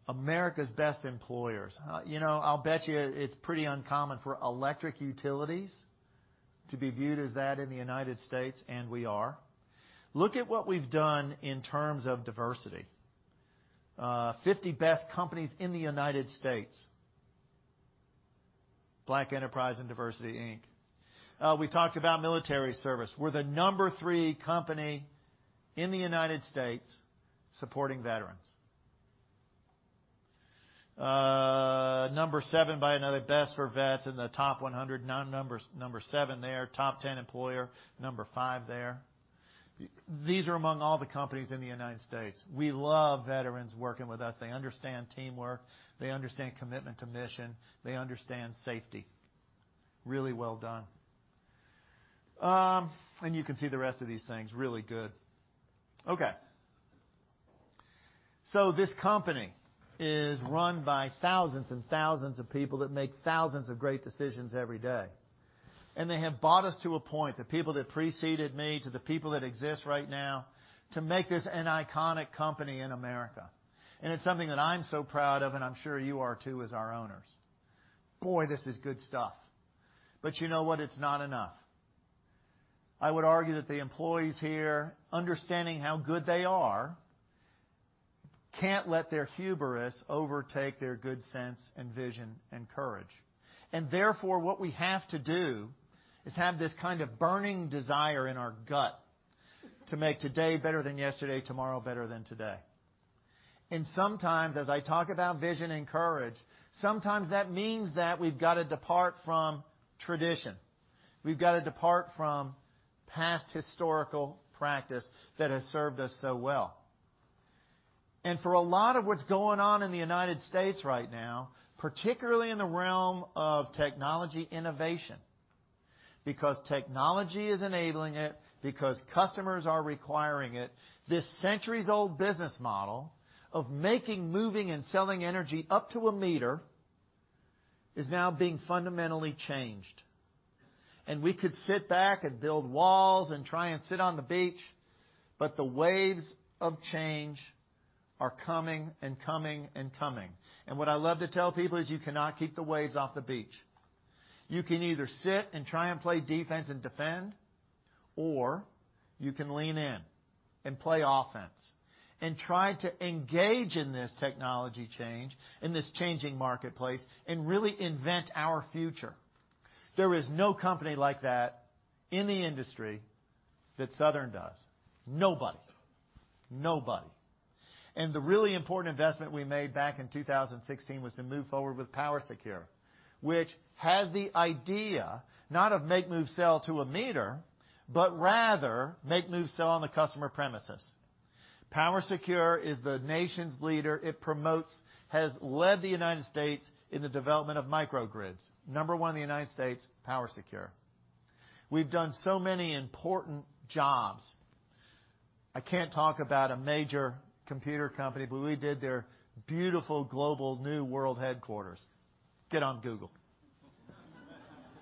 America's best employers. I'll bet you it's pretty uncommon for electric utilities to be viewed as that in the U.S., and we are. Look at what we've done in terms of diversity. 50 best companies in the U.S. Black Enterprise and DiversityInc. We talked about military service. We're the number three company in the U.S. supporting veterans. Number seven by another Best for Vets in the top 100. Number seven there. Top 10 employer, number five there. These are among all the companies in the U.S. We love veterans working with us. They understand teamwork. They understand commitment to mission. They understand safety. Really well done. You can see the rest of these things, really good. Okay. This company is run by thousands and thousands of people that make thousands of great decisions every day. They have brought us to a point, the people that preceded me to the people that exist right now, to make this an iconic company in America. It's something that I'm so proud of, and I'm sure you are, too, as our owners. Boy, this is good stuff. You know what? It's not enough. I would argue that the employees here, understanding how good they are, can't let their hubris overtake their good sense and vision and courage. Therefore, what we have to do is have this kind of burning desire in our gut to make today better than yesterday, tomorrow better than today. Sometimes, as I talk about vision and courage, sometimes that means that we've got to depart from tradition. We've got to depart from past historical practice that has served us so well. For a lot of what's going on in the U.S. right now, particularly in the realm of technology innovation, because technology is enabling it, because customers are requiring it, this centuries-old business model of making, moving, and selling energy up to a meter is now being fundamentally changed. We could sit back and build walls and try and sit on the beach, but the waves of change are coming and coming and coming. What I love to tell people is you cannot keep the waves off the beach. You can either sit and try and play defense and defend, or you can lean in and play offense and try to engage in this technology change, in this changing marketplace, and really invent our future. There is no company like that in the industry that Southern does. Nobody. The really important investment we made back in 2016 was to move forward with PowerSecure, which has the idea not of make, move, sell to a meter, but rather make, move, sell on the customer premises. PowerSecure is the nation's leader. It promotes, has led the U.S. in the development of microgrids. Number 1 in the U.S., PowerSecure. We've done so many important jobs. I can't talk about a major computer company, but we did their beautiful global new world headquarters. Get on Google.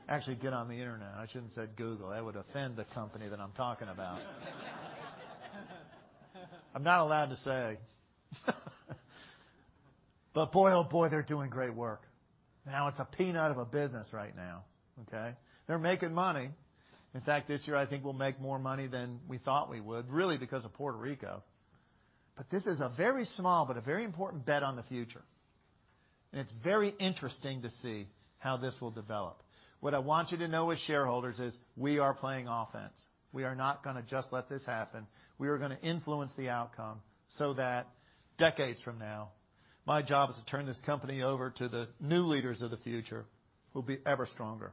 Actually, get on the internet. I shouldn't say Google. That would offend the company that I'm talking about. I'm not allowed to say. Boy, oh, boy, they're doing great work. Now, it's a peanut of a business right now, okay? They're making money. In fact, this year, I think we'll make more money than we thought we would, really because of Puerto Rico. This is a very small but a very important bet on the future. It's very interesting to see how this will develop. What I want you to know as shareholders is we are playing offense. We are not going to just let this happen. We are going to influence the outcome so that decades from now, my job is to turn this company over to the new leaders of the future who will be ever stronger.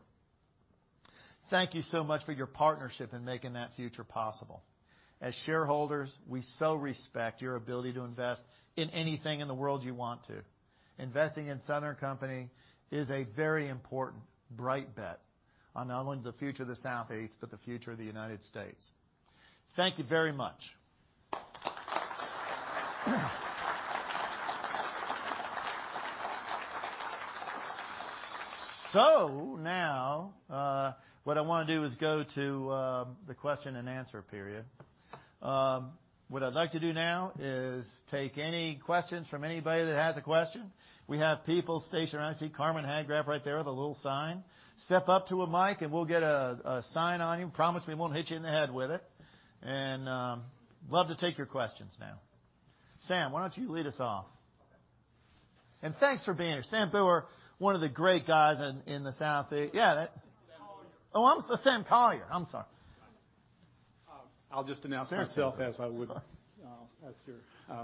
Thank you so much for your partnership in making that future possible. As shareholders, we so respect your ability to invest in anything in the world you want to. Investing in The Southern Company is a very important, bright bet on not only the future of the Southeast, but the future of the United States. Thank you very much. Now, what I want to do is go to the question and answer period. What I'd like to do now is take any questions from anybody that has a question. We have people stationed around. I see Carmen Hagraft right there with a little sign. Step up to a mic, and we'll get a sign on you. Promise me we won't hit you in the head with it. Love to take your questions now. Sam, why don't you lead us off? Okay. Thanks for being here. Sam Booher, one of the great guys in the Southeast. Yeah. Sam Collier. Oh, Sam Collier. I'm sorry. I'll just announce myself as I would. Sorry as your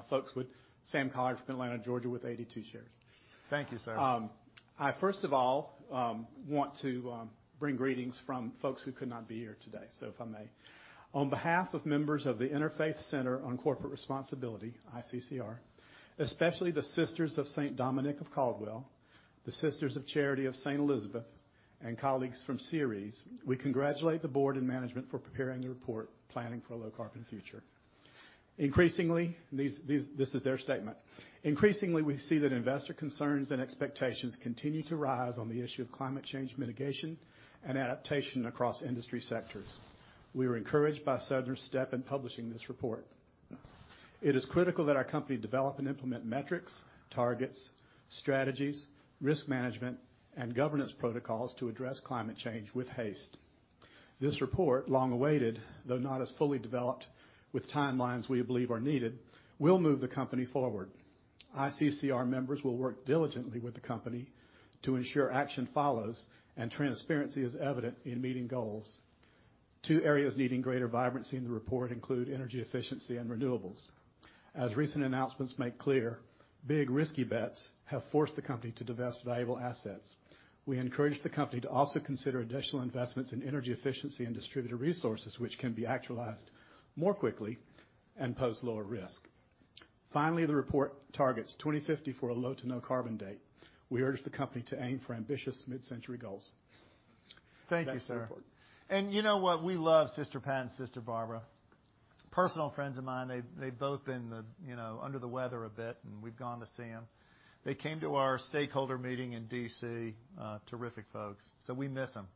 folks would. Sam Collier from Atlanta, Georgia with 82 shares. Thank you, sir. I first of all want to bring greetings from folks who could not be here today, so if I may. On behalf of members of the Interfaith Center on Corporate Responsibility, ICCR, especially the Sisters of Saint Dominic of Caldwell, the Sisters of Charity of Saint Elizabeth, and colleagues from Ceres, we congratulate the board and management for preparing the report, "Planning for a Low-Carbon Future." Increasingly, this is their statement. Increasingly, we see that investor concerns and expectations continue to rise on the issue of climate change mitigation and adaptation across industry sectors. We are encouraged by Southern's step in publishing this report. It is critical that our company develop and implement metrics, targets, strategies, risk management, and governance protocols to address climate change with haste. This report, long awaited, though not as fully developed with timelines we believe are needed, will move the company forward. ICCR members will work diligently with the company to ensure action follows and transparency is evident in meeting goals. Two areas needing greater vibrancy in the report include energy efficiency and renewables. As recent announcements make clear, big risky bets have forced the company to divest valuable assets. We encourage the company to also consider additional investments in energy efficiency and distributed resources, which can be actualized more quickly and pose lower risk. Finally, the report targets 2050 for a low to no carbon date. We urge the company to aim for ambitious mid-century goals. Thank you, sir. That's the report. You know what? We love Sister Pat and Sister Barbara, personal friends of mine. They've both been under the weather a bit, and we've gone to see them. They came to our stakeholder meeting in D.C. Terrific folks, so we miss them.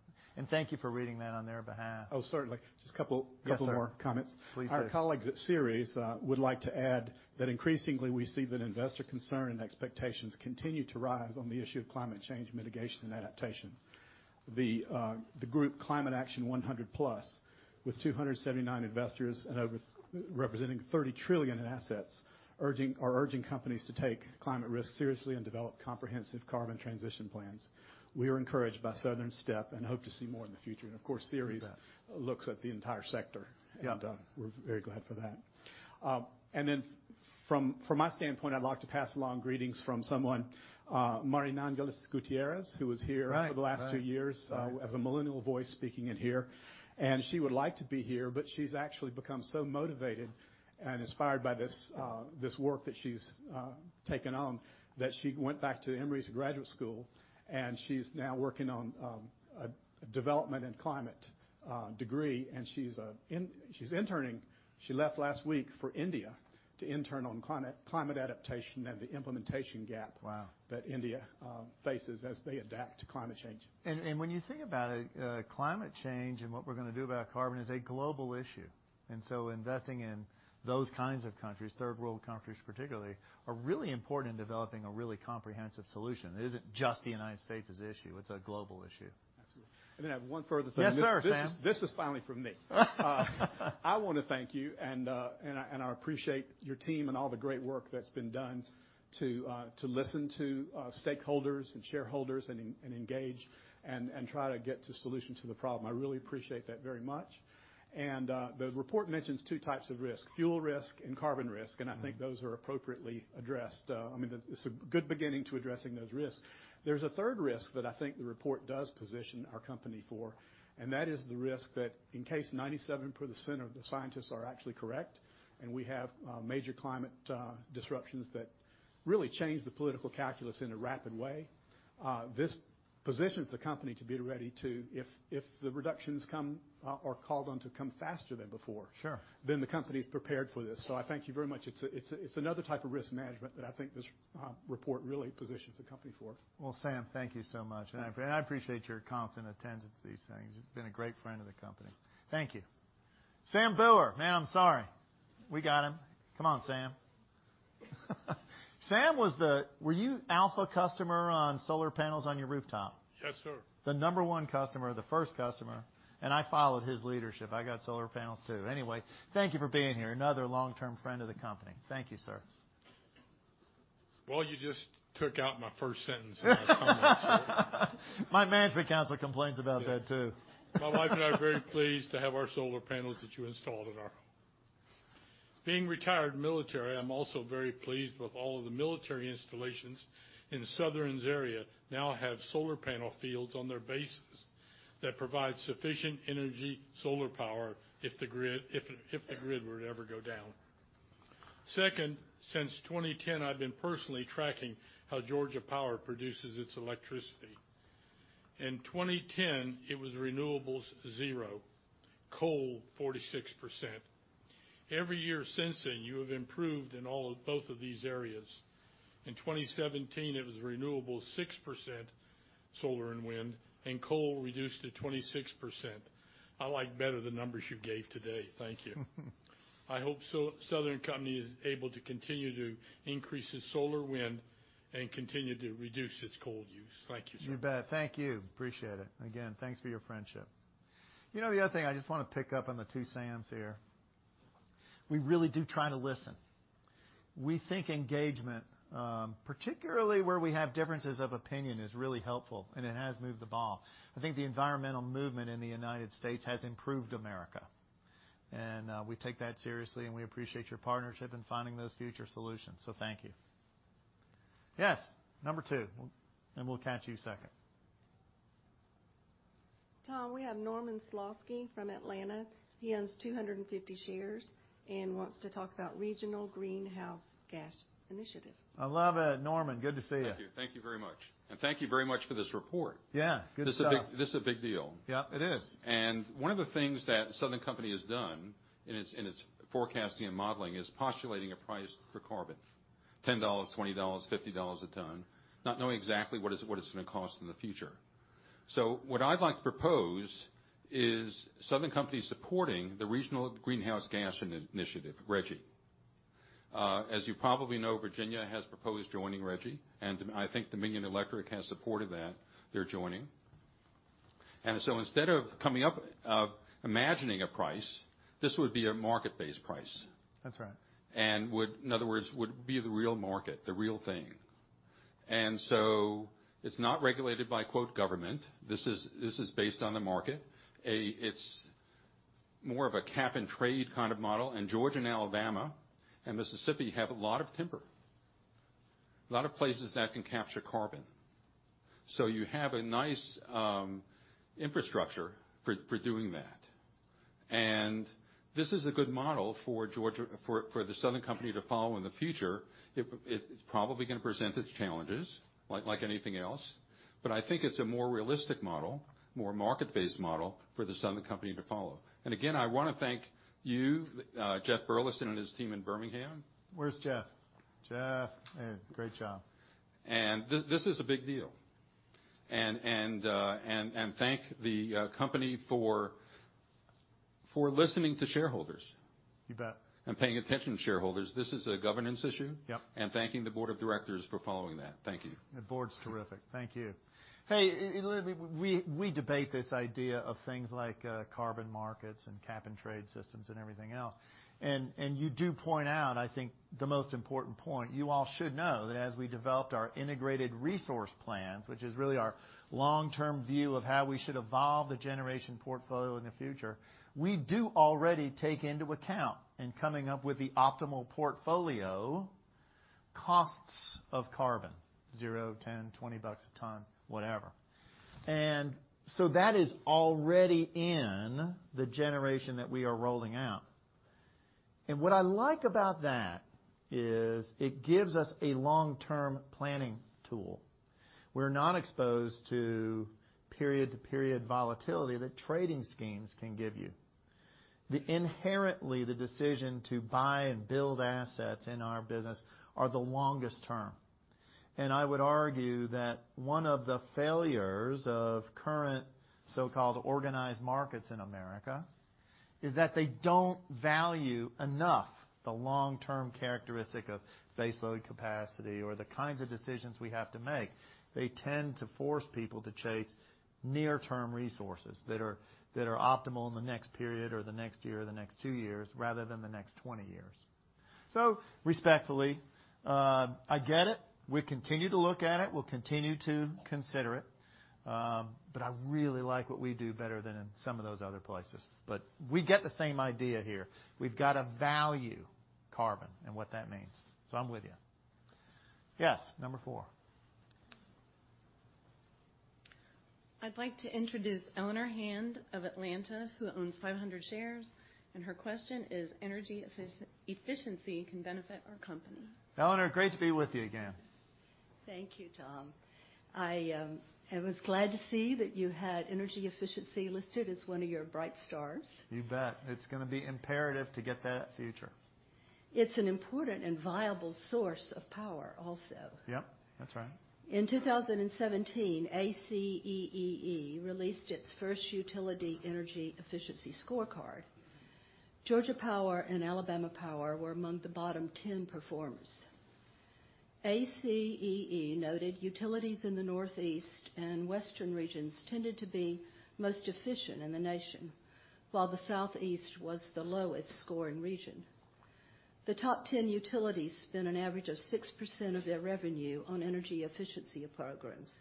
Thank you for reading that on their behalf. Oh, certainly. Just couple more comments. Please do. Our colleagues at Ceres would like to add that increasingly we see that investor concern and expectations continue to rise on the issue of climate change mitigation and adaptation. The group Climate Action 100+ with 279 investors and over representing $30 trillion in assets are urging companies to take climate risks seriously and develop comprehensive carbon transition plans. We are encouraged by Southern's step and hope to see more in the future. Of course, Ceres looks at the entire sector. Yeah. We're very glad for that. From my standpoint, I'd like to pass along greetings from someone, Marianangeles Gutierrez, who was here for the last two years as a millennial voice speaking in here, and she would like to be here, but she's actually become so motivated and inspired by this work that she's taken on that she went back to Emory's graduate school, and she's now working on a development and climate degree, and she's interning. She left last week for India to intern on climate adaptation and the implementation gap. Wow that India faces as they adapt to climate change. When you think about it, climate change and what we're going to do about carbon is a global issue. Investing in those kinds of countries, third world countries particularly, are really important in developing a really comprehensive solution. It isn't just the United States' issue, it's a global issue. Absolutely. I have one further thing. Yes, sir, Sam. This is finally from me. I want to thank you. I appreciate your team and all the great work that's been done to listen to stakeholders and shareholders and engage and try to get to solutions to the problem. I really appreciate that very much. The report mentions two types of risk, fuel risk and carbon risk, and I think those are appropriately addressed. It's a good beginning to addressing those risks. There's a third risk that I think the report does position our company for, and that is the risk that in case 97% of the scientists are actually correct, and we have major climate disruptions that really change the political calculus in a rapid way, this positions the company to be ready to, if the reductions come or are called on to come faster. Sure The company's prepared for this. I thank you very much. It's another type of risk management that I think this report really positions the company for. Well, Sam, thank you so much. I appreciate your constant attendance at these things. You've been a great friend of the company. Thank you. Sam Booher. Man, I'm sorry. We got him. Come on, Sam. Sam, were you alpha customer on solar panels on your rooftop? Yes, sir. The number one customer, the first customer, I followed his leadership. I got solar panels, too. Anyway, thank you for being here, another long-term friend of the company. Thank you, sir. Well, you just took out my first sentence in my comments. My management council complains about that, too. My wife and I are very pleased to have our solar panels that you installed on our home. Being retired military, I'm also very pleased with all of the military installations in Southern's area now have solar panel fields on their bases that provide sufficient energy solar power if the grid were to ever go down. Second, since 2010, I've been personally tracking how Georgia Power produces its electricity. In 2010, it was renewables 0, coal 46%. Every year since then, you have improved in both of these areas. In 2017, it was renewable 6% solar and wind, and coal reduced to 26%. I like better the numbers you gave today. Thank you. I hope Southern Company is able to continue to increase its solar wind and continue to reduce its coal use. Thank you, sir. You bet. Thank you. Appreciate it. Again, thanks for your friendship. The other thing I just want to pick up on the two Sams here. We really do try to listen. We think engagement, particularly where we have differences of opinion, is really helpful, and it has moved the ball. I think the environmental movement in the U.S. has improved America. We take that seriously, and we appreciate your partnership in finding those future solutions. Thank you. Yes, number 2, we'll catch you second. Tom, we have Norman Slosky from Atlanta. He owns 250 shares and wants to talk about Regional Greenhouse Gas Initiative. I love it. Norman, good to see you. Thank you. Thank you very much. Thank you very much for this report. Yeah. Good stuff. This is a big deal. Yeah, it is. One of the things that Southern Company has done in its forecasting and modeling is postulating a price for carbon: $10, $20, $50 a ton, not knowing exactly what it's going to cost in the future. What I'd like to propose is Southern Company supporting the Regional Greenhouse Gas Initiative, RGGI. As you probably know, Virginia has proposed joining RGGI, and I think Dominion Energy has supported that. They're joining. Instead of coming up of imagining a price, this would be a market-based price. That's right. In other words, would be the real market, the real thing. It's not regulated by, quote, "government." This is based on the market. It's more of a cap and trade kind of model. Georgia and Alabama and Mississippi have a lot of timber, a lot of places that can capture carbon. You have a nice infrastructure for doing that. This is a good model for The Southern Company to follow in the future. It's probably going to present its challenges, like anything else. I think it's a more realistic model, more market-based model for The Southern Company to follow. Again, I want to thank you, Jeff Burleson, and his team in Birmingham. Where's Jeff? Jeff, hey, great job. This is a big deal. Thank the company for listening to shareholders. You bet Paying attention to shareholders. This is a governance issue. Yep. Thanking the board of directors for following that. Thank you. The board's terrific. Thank you. Hey, we debate this idea of things like carbon markets and cap and trade systems and everything else. You do point out, I think, the most important point. You all should know that as we developed our integrated resource plans, which is really our long-term view of how we should evolve the generation portfolio in the future, we do already take into account, in coming up with the optimal portfolio, costs of carbon, zero, $10, $20 a ton, whatever. That is already in the generation that we are rolling out. What I like about that is it gives us a long-term planning tool. We're not exposed to period-to-period volatility that trading schemes can give you. Inherently, the decision to buy and build assets in our business are the longest term. I would argue that one of the failures of current so-called organized markets in America is that they don't value enough the long-term characteristic of base load capacity or the kinds of decisions we have to make. They tend to force people to chase near-term resources that are optimal in the next period or the next year or the next two years rather than the next 20 years. Respectfully, I get it. We continue to look at it. We'll continue to consider it. I really like what we do better than in some of those other places. We get the same idea here. We've got to value carbon and what that means. I'm with you. Yes, number four. I'd like to introduce Eleanor Hand of Atlanta, who owns 500 shares, and her question is energy efficiency can benefit our company. Eleanor, great to be with you again. Thank you, Tom. I was glad to see that you had energy efficiency listed as one of your bright stars. You bet. It is going to be imperative to get that future. It is an important and viable source of power also. Yep. That is right. In 2017, ACEEE released its first utility energy efficiency scorecard. Georgia Power and Alabama Power were among the bottom 10 performers. ACEEE noted utilities in the Northeast and Western regions tended to be most efficient in the nation, while the Southeast was the lowest scoring region. The top 10 utilities spent an average of 6% of their revenue on energy efficiency programs,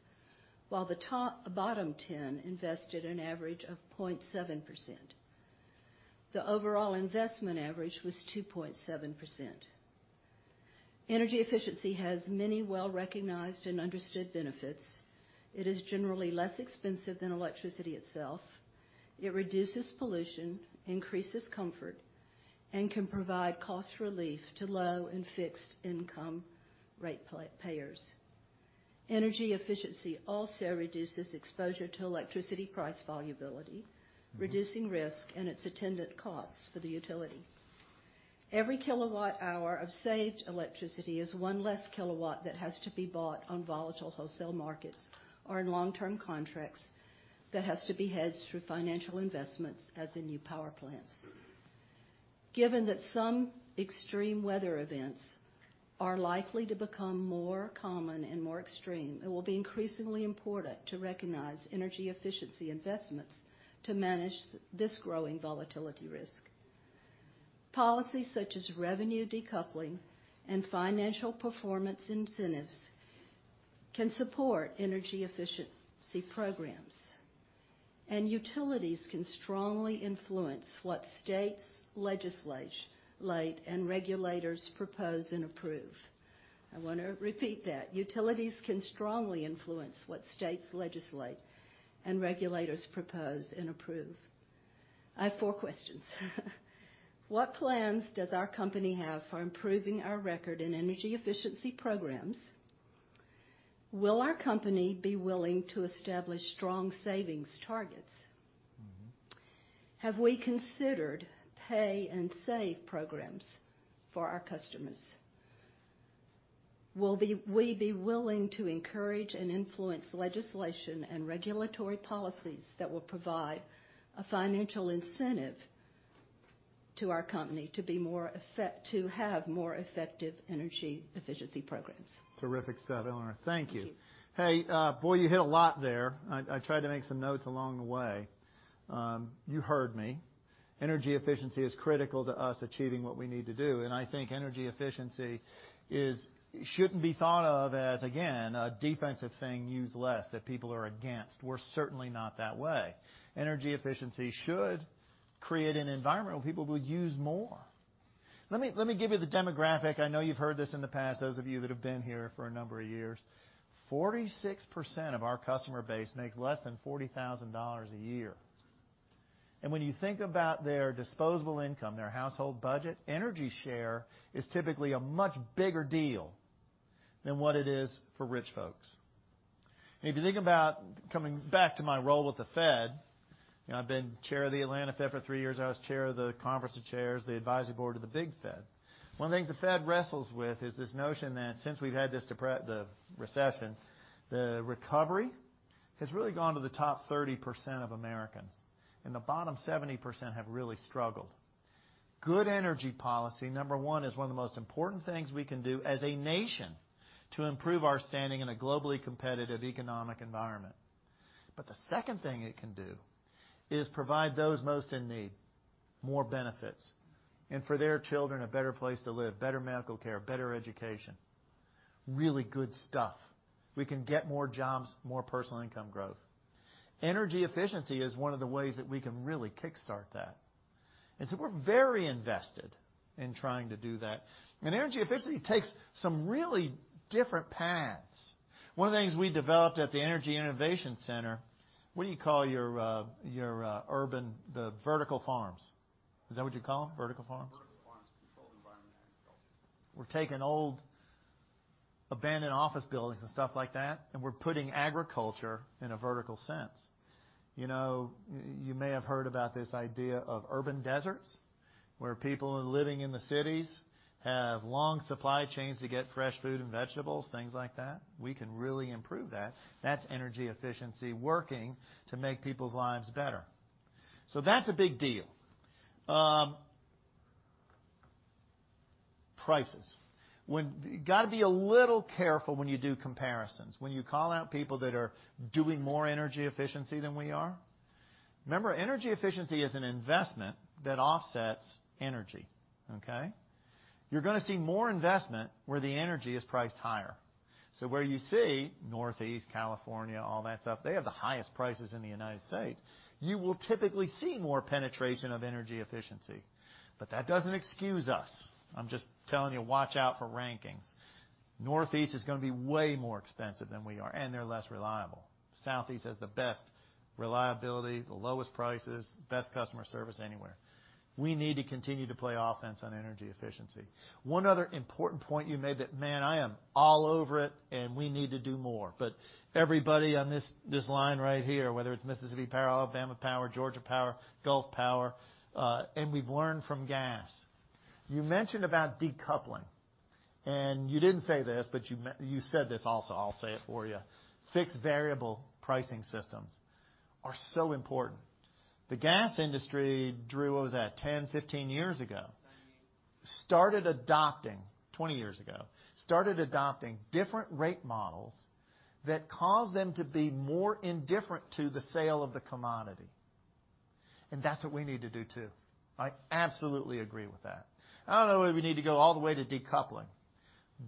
while the bottom 10 invested an average of 0.7%. The overall investment average was 2.7%. Energy efficiency has many well-recognized and understood benefits. It is generally less expensive than electricity itself. It reduces pollution, increases comfort, and can provide cost relief to low and fixed income ratepayers. Energy efficiency also reduces exposure to electricity price variability, reducing risk and its attendant costs for the utility. Every kilowatt hour of saved electricity is one less kilowatt that has to be bought on volatile wholesale markets or in long-term contracts that has to be hedged through financial investments as in new power plants. Given that some extreme weather events are likely to become more common and more extreme, it will be increasingly important to recognize energy efficiency investments to manage this growing volatility risk. Policies such as revenue decoupling and financial performance incentives can support energy efficiency programs. Utilities can strongly influence what states legislate and regulators propose and approve. I want to repeat that. Utilities can strongly influence what states legislate and regulators propose and approve. I have four questions. What plans does our company have for improving our record in energy efficiency programs? Will our company be willing to establish strong savings targets? Have we considered pay-and-save programs for our customers? Will we be willing to encourage and influence legislation and regulatory policies that will provide a financial incentive to our company to have more effective energy efficiency programs? Terrific stuff, Eleanor. Thank you. Thank you. Hey, boy, you hit a lot there. I tried to make some notes along the way. You heard me. Energy efficiency is critical to us achieving what we need to do. I think energy efficiency shouldn't be thought of as, again, a defensive thing, use less, that people are against. We're certainly not that way. Energy efficiency should create an environment where people will use more. Let me give you the demographic. I know you've heard this in the past, those of you that have been here for a number of years. 46% of our customer base makes less than $40,000 a year. When you think about their disposable income, their household budget, energy share is typically a much bigger deal than what it is for rich folks. If you think about coming back to my role with the Fed, I've been chair of the Atlanta Fed for three years. I was chair of the Conference of Chairs, the advisory board of the big Fed. One of the things the Fed wrestles with is this notion that since we've had the recession, the recovery has really gone to the top 30% of Americans, and the bottom 70% have really struggled. Good energy policy, number one, is one of the most important things we can do as a nation to improve our standing in a globally competitive economic environment. The second thing it can do is provide those most in need more benefits, and for their children, a better place to live, better medical care, better education. Really good stuff. We can get more jobs, more personal income growth. Energy efficiency is one of the ways that we can really kickstart that. We're very invested in trying to do that. Energy efficiency takes some really different paths. One of the things we developed at the Energy Innovation Center, what do you call your urban, the vertical farms? Is that what you call them, vertical farms? Vertical farms, controlled environment agriculture. We're taking old abandoned office buildings and stuff like that, we're putting agriculture in a vertical sense. You may have heard about this idea of urban deserts where people are living in the cities, have long supply chains to get fresh food and vegetables, things like that. We can really improve that. That's energy efficiency working to make people's lives better. That's a big deal. Prices. You got to be a little careful when you do comparisons, when you call out people that are doing more energy efficiency than we are. Remember, energy efficiency is an investment that offsets energy, okay? You're going to see more investment where the energy is priced higher. Where you see Northeast, California, all that stuff, they have the highest prices in the United States. You will typically see more penetration of energy efficiency. That doesn't excuse us. I'm just telling you, watch out for rankings. Northeast is going to be way more expensive than we are, they're less reliable. Southeast has the best reliability, the lowest prices, best customer service anywhere. We need to continue to play offense on energy efficiency. One other important point you made that, man, I am all over it, we need to do more. Everybody on this line right here, whether it's Mississippi Power, Alabama Power, Georgia Power, Gulf Power, we've learned from gas. You mentioned about decoupling, and you didn't say this, but you said this also, I'll say it for you. Fixed variable pricing systems are so important. The gas industry, Drew, what was that? 10, 15 years ago. Seven, eight. Started adopting, 20 years ago. Started adopting different rate models that caused them to be more indifferent to the sale of the commodity, that's what we need to do, too. I absolutely agree with that. I don't know whether we need to go all the way to decoupling,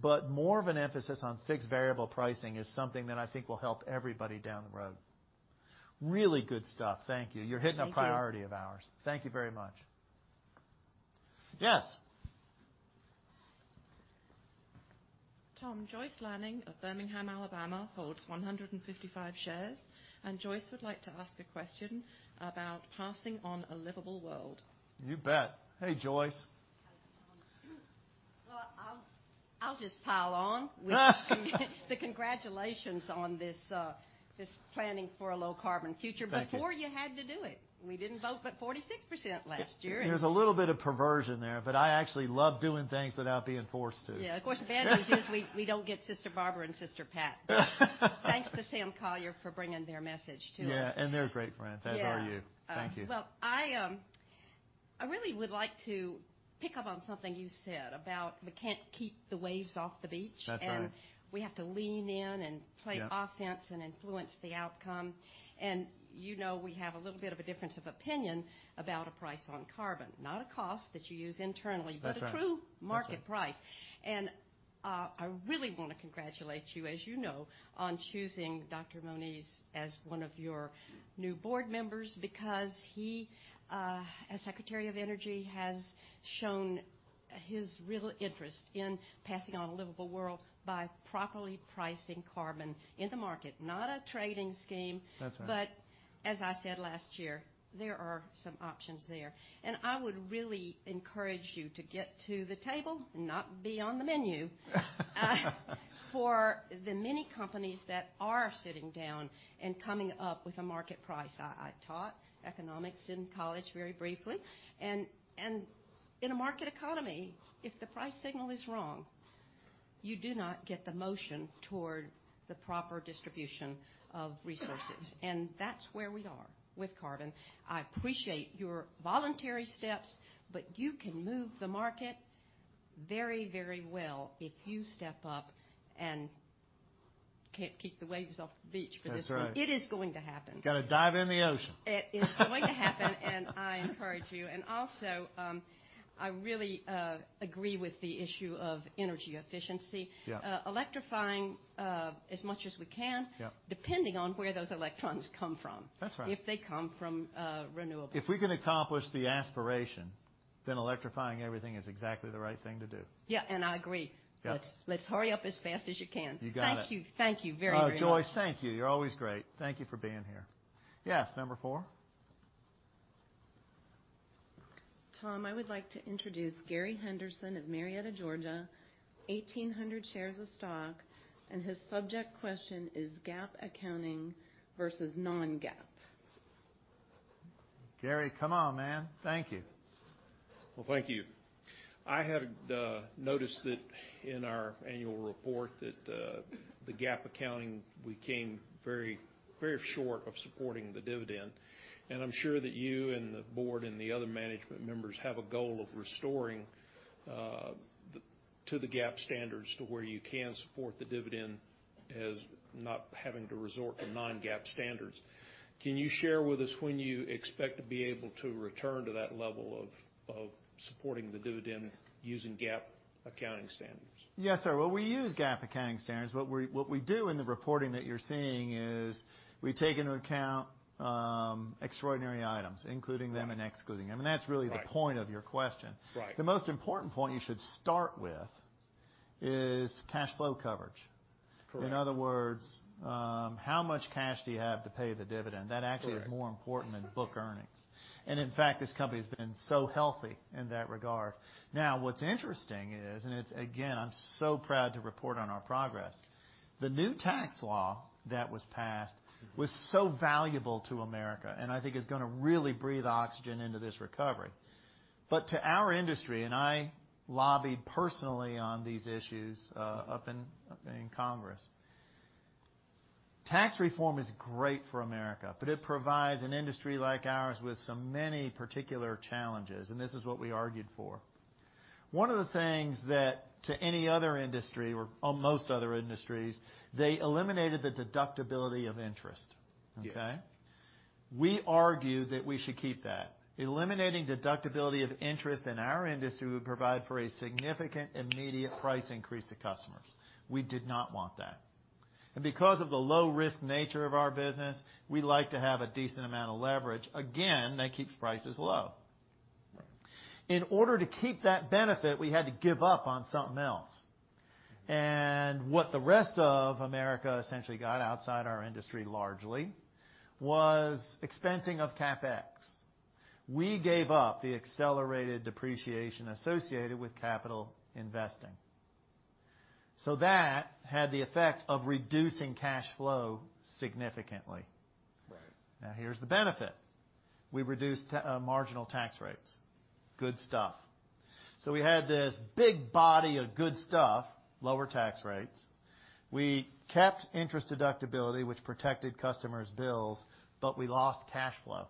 but more of an emphasis on fixed variable pricing is something that I think will help everybody down the road. Really good stuff. Thank you. Thank you. You're hitting a priority of ours. Thank you very much. Yes. Tom, Joyce Lanning of Birmingham, Alabama, holds 155 shares. Joyce would like to ask a question about passing on a livable world. You bet. Hey, Joyce Well, I'll just pile on the congratulations on this Planning for a Low-Carbon Future. Thank you. before you had to do it. We didn't vote, 46% last year. There's a little bit of perversion there, I actually love doing things without being forced to. Yeah, of course the bad news is we don't get Sister Barbara and Sister Pat. Thanks to Sam Collier for bringing their message to us. Yeah, they're great friends. Yeah. As are you. Thank you. Well, I really would like to pick up on something you said about we can't keep the waves off the beach. That's right. We have to lean in and play Yeah offense and influence the outcome. You know we have a little bit of a difference of opinion about a price on carbon, not a cost that you use internally That's right. a true market price. I really want to congratulate you, as you know, on choosing Dr. Moniz as one of your new board members because he, as Secretary of Energy, has shown his real interest in passing on a livable world by properly pricing carbon in the market, not a trading scheme. That's right. As I said last year, there are some options there. I would really encourage you to get to the table and not be on the menu for the many companies that are sitting down and coming up with a market price. I taught economics in college very briefly, and in a market economy, if the price signal is wrong, you do not get the motion toward the proper distribution of resources. That's where we are with carbon. I appreciate your voluntary steps, but you can move the market very well if you step up and can't keep the waves off the beach for this one. That's right. It is going to happen. Got to dive in the ocean. It is going to happen, I encourage you. Also, I really agree with the issue of energy efficiency. Yeah. Electrifying as much as we can. Yeah depending on where those electrons come from. That's right. If they come from renewable. If we can accomplish the aspiration, then electrifying everything is exactly the right thing to do. Yeah, I agree. Yeah. Let's hurry up as fast as you can. You got it. Thank you very much. Oh, Joyce. Thank you. You're always great. Thank you for being here. Yes. Number 4. Tom, I would like to introduce Gary Henderson of Marietta, Georgia, 1,800 shares of stock. His subject question is GAAP accounting versus non-GAAP. Gary, come on, man. Thank you. Well, thank you. I had noticed that in our annual report that the GAAP accounting, we came very short of supporting the dividend. I'm sure that you and the Board and the other management members have a goal of restoring to the GAAP standards to where you can support the dividend as not having to resort to non-GAAP standards. Can you share with us when you expect to be able to return to that level of supporting the dividend using GAAP accounting standards? Yes, sir. Well, we use GAAP accounting standards. What we do in the reporting that you're seeing is we take into account extraordinary items, including them and excluding them. That's really the point of your question. Right. The most important point you should start with is cash flow coverage. Correct. In other words, how much cash do you have to pay the dividend? Correct. That actually is more important than book earnings. In fact, this company has been so healthy in that regard. What's interesting is, and it's, again, I'm so proud to report on our progress. The new tax law that was passed was so valuable to America. I think is going to really breathe oxygen into this recovery. To our industry, I lobbied personally on these issues up in Congress. Tax reform is great for America, it provides an industry like ours with some many particular challenges. This is what we argued for. One of the things that to any other industry or most other industries, they eliminated the deductibility of interest. Yeah. We argued that we should keep that. Eliminating deductibility of interest in our industry would provide for a significant immediate price increase to customers. We did not want that. Because of the low-risk nature of our business, we like to have a decent amount of leverage. Again, that keeps prices low. Right. In order to keep that benefit, we had to give up on something else. What the rest of America essentially got outside our industry largely was expensing of CapEx. We gave up the accelerated depreciation associated with capital investing. That had the effect of reducing cash flow significantly. Right. Now, here's the benefit. We reduced marginal tax rates. Good stuff. We had this big body of good stuff, lower tax rates. We kept interest deductibility, which protected customers' bills, we lost cash flow.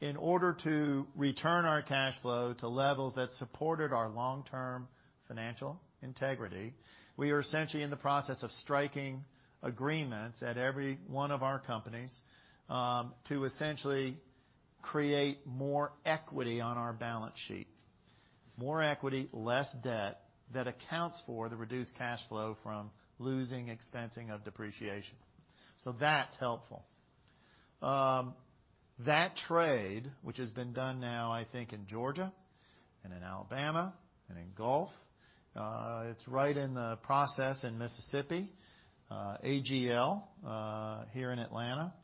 In order to return our cash flow to levels that supported our long-term financial integrity, we are essentially in the process of striking agreements at every one of our companies, to essentially create more equity on our balance sheet. More equity, less debt, that accounts for the reduced cash flow from losing expensing of depreciation. That's helpful. That trade, which has been done now, I think in Georgia and in Alabama and in Gulf. It's right in the process in Mississippi. AGL here in Atlanta.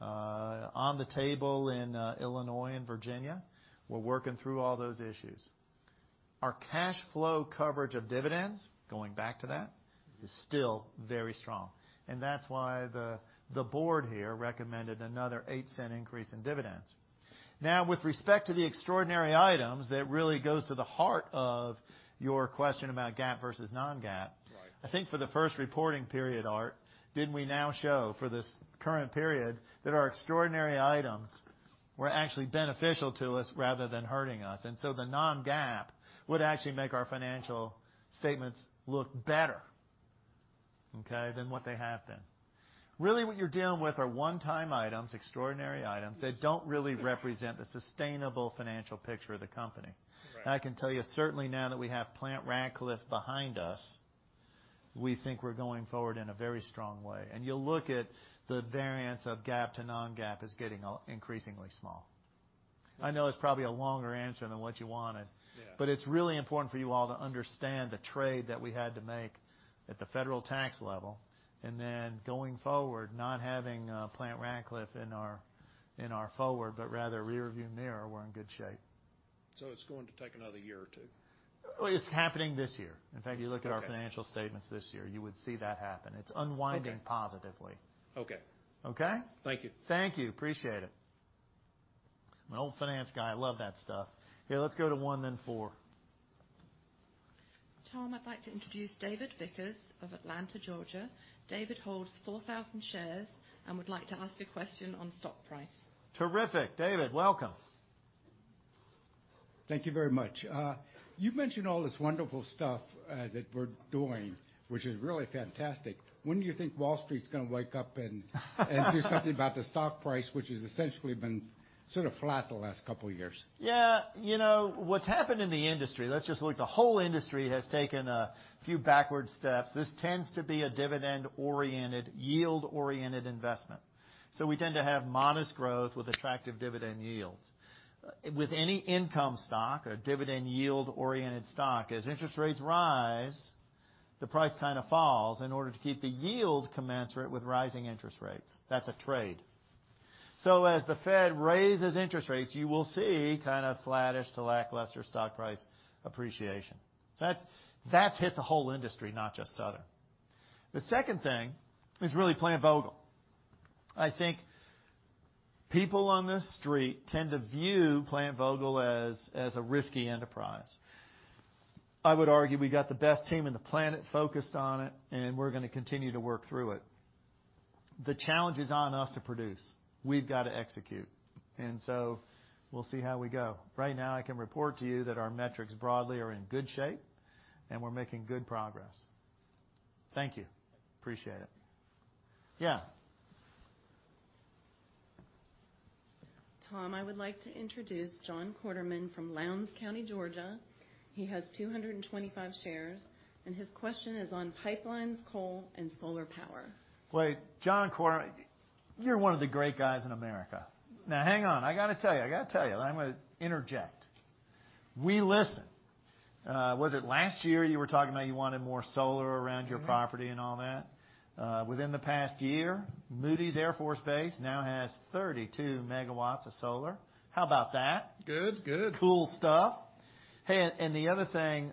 On the table in Illinois and Virginia. We're working through all those issues. Our cash flow coverage of dividends, going back to that, is still very strong, that's why the board here recommended another $0.08 increase in dividends. With respect to the extraordinary items, that really goes to the heart of your question about GAAP versus non-GAAP. Right. I think for the first reporting period, Art, didn't we now show for this current period that our extraordinary items were actually beneficial to us rather than hurting us? The non-GAAP would actually make our financial statements look better, okay, than what they have been. Really what you're dealing with are one-time items, extraordinary items, that don't really represent the sustainable financial picture of the company. Right. I can tell you certainly now that we have Plant Ratcliffe behind us, we think we're going forward in a very strong way. You'll look at the variance of GAAP to non-GAAP is getting increasingly small. I know it's probably a longer answer than what you wanted. Yeah. It's really important for you all to understand the trade that we had to make at the federal tax level, and then going forward, not having Plant Ratcliffe in our forward, but rather rearview mirror, we're in good shape. It's going to take another year or two? Well, it's happening this year. In fact, you look at our financial statements this year, you would see that happen. It's unwinding positively. Okay. Okay? Thank you. Thank you. Appreciate it. I'm an old finance guy. I love that stuff. Here, let's go to one, then four. Tom, I'd like to introduce David Vickers of Atlanta, Georgia. David holds 4,000 shares and would like to ask a question on stock price. Terrific. David, welcome. Thank you very much. You've mentioned all this wonderful stuff that we're doing, which is really fantastic. When do you think Wall Street's going to wake up and do something about the stock price, which has essentially been sort of flat the last couple of years? Yeah. What's happened in the industry, let's just look, the whole industry has taken a few backward steps. This tends to be a dividend-oriented, yield-oriented investment. We tend to have modest growth with attractive dividend yields. With any income stock or dividend yield-oriented stock, as interest rates rise, the price kind of falls in order to keep the yield commensurate with rising interest rates. That's a trade. As the Fed raises interest rates, you will see kind of flattish to lackluster stock price appreciation. That's hit the whole industry, not just Southern. The second thing is really Plant Vogtle. I think people on this street tend to view Plant Vogtle as a risky enterprise. I would argue we got the best team on the planet focused on it, and we're going to continue to work through it. The challenge is on us to produce. We've got to execute. We'll see how we go. Right now, I can report to you that our metrics broadly are in good shape, and we're making good progress. Thank you. Appreciate it. Yeah. Tom, I would like to introduce John Quarterman from Lowndes County, Georgia. He has 225 shares. His question is on pipelines, coal, and solar power. Well, John Quarterman, you're one of the great guys in America. Hang on. I got to tell you. I'm going to interject. We listened. Was it last year you were talking about you wanted more solar around your property and all that? Within the past year, Moody Air Force Base now has 32 megawatts of solar. How about that? Good. Cool stuff. Hey, the other thing,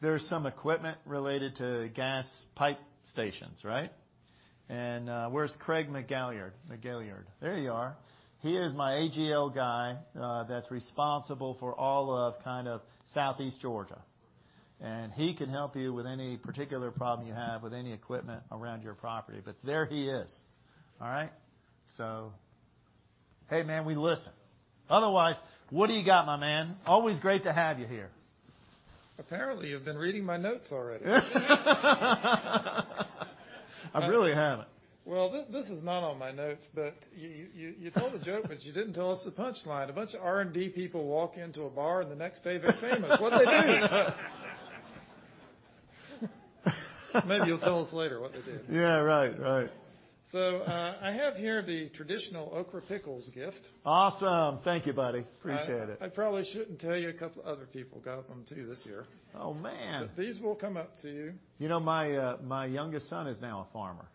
there's some equipment related to gas pipe stations, right? Where's Craig McGalliard? There you are. He is my AGL guy that's responsible for all of Southeast Georgia. He can help you with any particular problem you have with any equipment around your property. There he is. All right? Hey, man, we listen. Otherwise, what do you got, my man? Always great to have you here. Apparently, you've been reading my notes already. I really haven't. This is not on my notes, but you told a joke, but you didn't tell us the punchline. A bunch of R&D people walk into a bar, and the next day they're famous. What'd they do? Maybe you'll tell us later what they did. Yeah. Right. I have here the traditional okra pickles gift. Awesome. Thank you, buddy. Appreciate it. I probably shouldn't tell you, a couple other people got them too this year. Oh, man. These will come up to you. You know, my youngest son is now a farmer.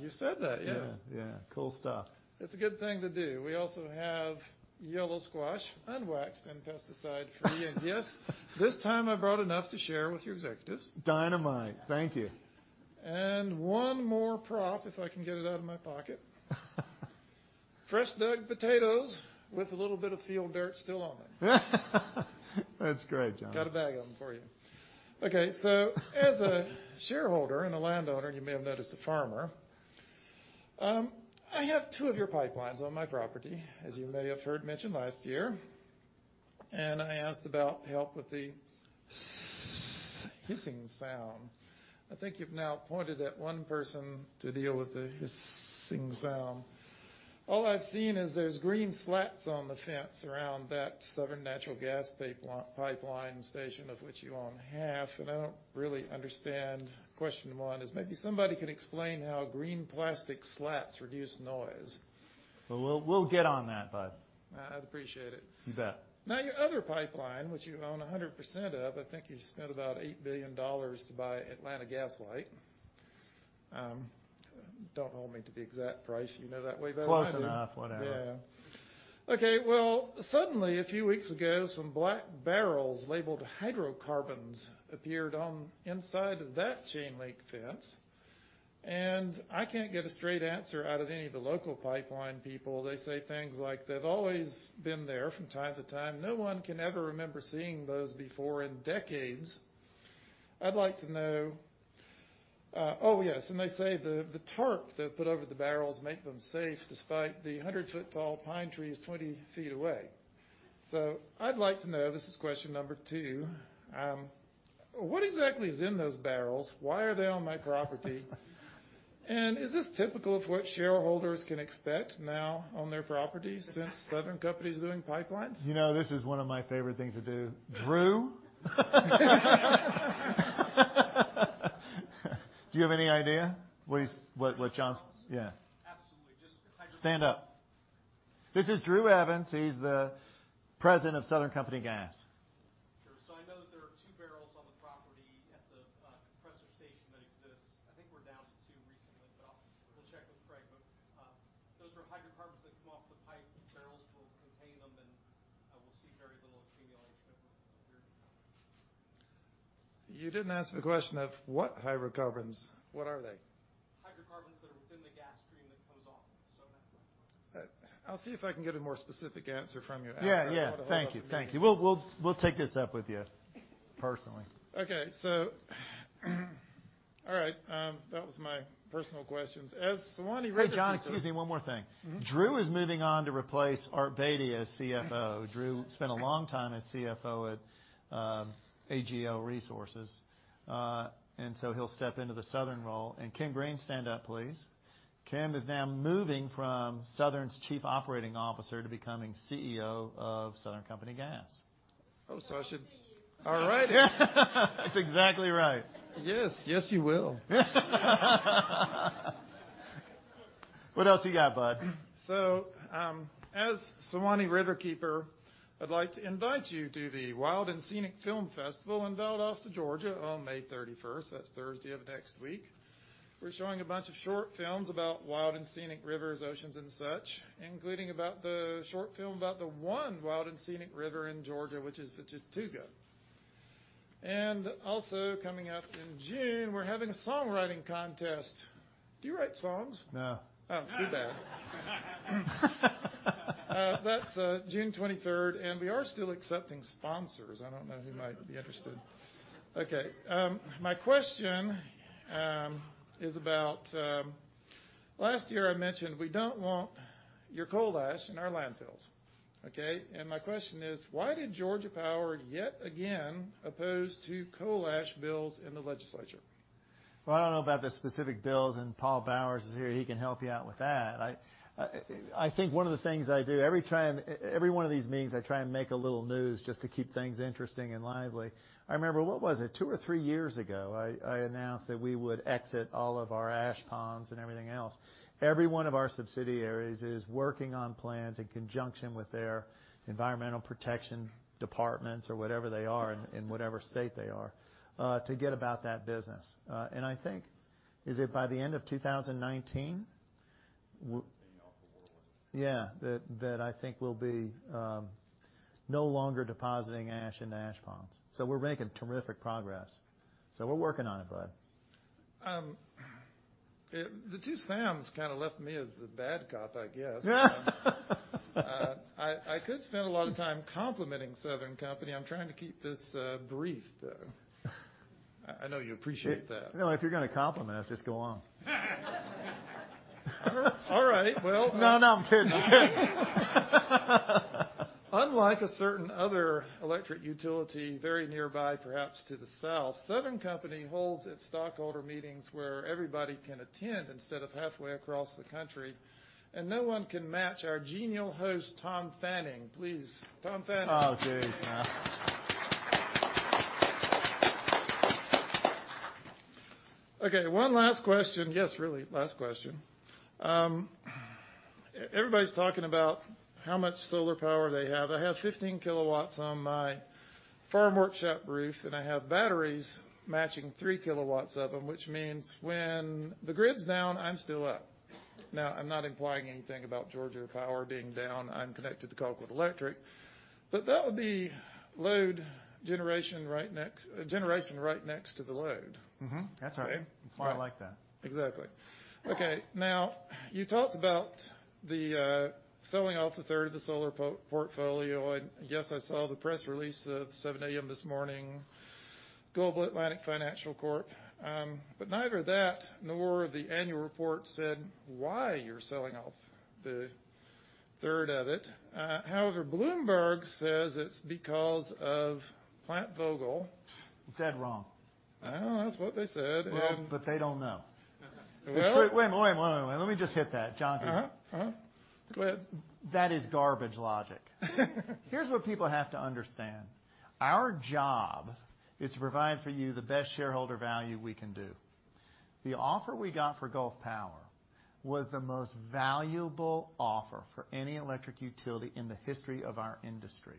You said that, yes. Yeah. Cool stuff. It's a good thing to do. We also have yellow squash, unwaxed and pesticide free. Yes, this time I brought enough to share with your executives. Dynamite. Thank you. One more prop, if I can get it out of my pocket. Fresh dug potatoes with a little bit of field dirt still on them. That's great, John. Got a bag of them for you. Okay. As a shareholder and a landowner, you may have noticed, a farmer, I have two of your pipelines on my property, as you may have heard mentioned last year. I asked about help with the hissing sound. I think you've now pointed at one person to deal with the hissing sound. All I've seen is there's green slats on the fence around that Southern Natural Gas pipeline station of which you own half, I don't really understand. Question one is maybe somebody can explain how green plastic slats reduce noise. Well, we'll get on that, bud. I'd appreciate it. You bet. Your other pipeline, which you own 100% of, I think you spent about $8 billion to buy Atlanta Gas Light. Don't hold me to the exact price that way though. Close enough, whatever. Yeah. Okay. Well, suddenly, a few weeks ago, some black barrels labeled hydrocarbons appeared on inside of that chain link fence. I can't get a straight answer out of any of the local pipeline people. They say things like they've always been there from time to time. No one can ever remember seeing those before in decades. I'd like to know Oh, yes. They say the tarp they put over the barrels make them safe despite the 100-foot tall pine trees 20 feet away. I'd like to know, this is question number 2, what exactly is in those barrels? Why are they on my property? Is this typical of what shareholders can expect now on their properties since Southern Company's doing pipelines? You know, this is one of my favorite things to do. Drew? Do you have any idea what? Yeah. Absolutely. Just hydrocarbons. Stand up. This is Drew Evans. He's the president of Southern Company Gas. Sure. I know that there are two barrels on the property at the compressor station that exists. I think we're down to two recently, but we'll check with Craig. Those are hydrocarbons that come off the pipe. Barrels will contain them, and we'll see very little accumulation of them over the years. You didn't answer the question of what hydrocarbons. What are they? Hydrocarbons that are within the gas stream that comes off of the Southern Company pipes. I'll see if I can get a more specific answer from you after. I want to hold you. Yeah. Thank you. We'll take this up with you personally. Okay. All right. That was my personal questions. As Suwannee Riverkeeper- Hey, John, excuse me. One more thing. Drew is moving on to replace Art Beattie as CFO. Drew spent a long time as CFO at AGL Resources. He'll step into the Southern role. Kim Greene, stand up, please. Kim is now moving from Southern's Chief Operating Officer to becoming CEO of Southern Company Gas. I should Report to you. All right. That's exactly right. Yes, you will. What else you got, bud? As Suwannee Riverkeeper, I'd like to invite you to the Wild & Scenic Film Festival in Valdosta, Georgia, on May 31st. That's Thursday of next week. We're showing a bunch of short films about wild and scenic rivers, oceans, and such, including the short film about the one wild and scenic river in Georgia, which is the Chattooga. Also coming up in June, we're having a songwriting contest. Do you write songs? No. Oh, too bad. That's June 23rd. We are still accepting sponsors. I don't know who might be interested. Okay. My question is about, last year I mentioned we don't want your coal ash in our landfills. Okay? My question is, why did Georgia Power yet again oppose two coal ash bills in the legislature? Well, I don't know about the specific bills. Paul Bowers is here. He can help you out with that. I think one of the things I do, every one of these meetings, I try and make a little news just to keep things interesting and lively. I remember, what was it? Two or three years ago, I announced that we would exit all of our ash ponds and everything else. Every one of our subsidiaries is working on plans in conjunction with their environmental protection departments or whatever they are in whatever state they are, to get about that business. I think, is it by the end of 2019? Cleaning off the waterways. Yeah. That I think we'll be no longer depositing ash in ash ponds. We're making terrific progress. We're working on it, bud. The two Sams kind of left me as the bad cop, I guess. I could spend a lot of time complimenting Southern Company. I'm trying to keep this brief, though. I know you appreciate that. No, if you're going to compliment us, just go on. All right. No, I'm kidding. Unlike a certain other electric utility very nearby, perhaps to the south, Southern Company holds its stockholder meetings where everybody can attend instead of halfway across the country. No one can match our genial host, Tom Fanning. Please, Tom Fanning. Oh, jeez. No. Okay, one last question. Yes, really, last question. Everybody's talking about how much solar power they have. I have 15 kilowatts on my farm workshop roof, and I have batteries matching three kilowatts of them, which means when the grid's down, I'm still up. I'm not implying anything about Georgia Power being down. I'm connected to Colquitt EMC. That would be load generation right next to the load. Mm-hmm. That's right. That's why I like that. Exactly. Okay. Now, you talked about the selling off a third of the solar portfolio. Yes, I saw the press release at 7:00 A.M. this morning, Global Atlantic Financial Corp. Neither that nor the annual report said why you're selling off the third of it. However, Bloomberg says it's because of Plant Vogtle. Dead wrong. That's what they said. Well, they don't know. Well- Wait. Let me just hit that. Uh-huh. Go ahead. That is garbage logic. Here's what people have to understand. Our job is to provide for you the best shareholder value we can do. The offer we got for Gulf Power was the most valuable offer for any electric utility in the history of our industry.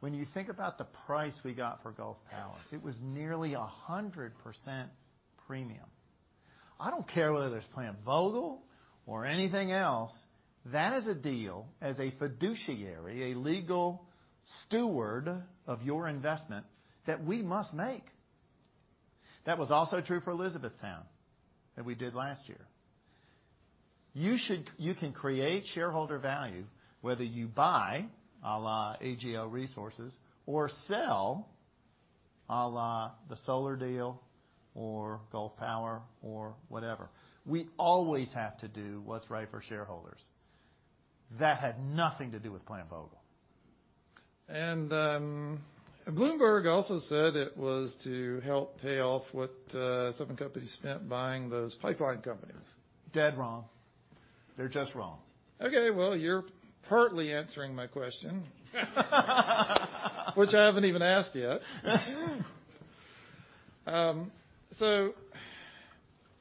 When you think about the price we got for Gulf Power, it was nearly 100% premium. I don't care whether there's Plant Vogtle or anything else, that is a deal as a fiduciary, a legal steward of your investment, that we must make. That was also true for Elizabethtown, that we did last year. You can create shareholder value whether you buy, a la AGL Resources, or sell, a la the solar deal or Gulf Power or whatever. We always have to do what's right for shareholders. That had nothing to do with Plant Vogtle. Bloomberg also said it was to help pay off what Southern Company spent buying those pipeline companies. Dead wrong. They're just wrong. Okay. Well, you're partly answering my question. Which I haven't even asked yet.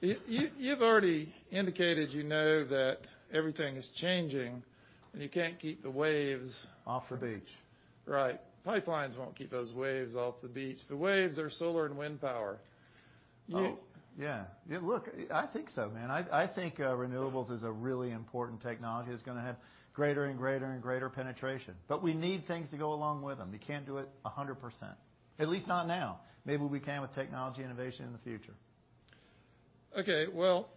You've already indicated you know that everything is changing, and you can't keep the waves- Off the beach. Right. Pipelines won't keep those waves off the beach. The waves are solar and wind power. You- Oh, yeah. Look, I think so, man. I think renewables is a really important technology that's going to have greater and greater and greater penetration. We need things to go along with them. You can't do it 100%. At least not now. Maybe we can with technology innovation in the future. Well,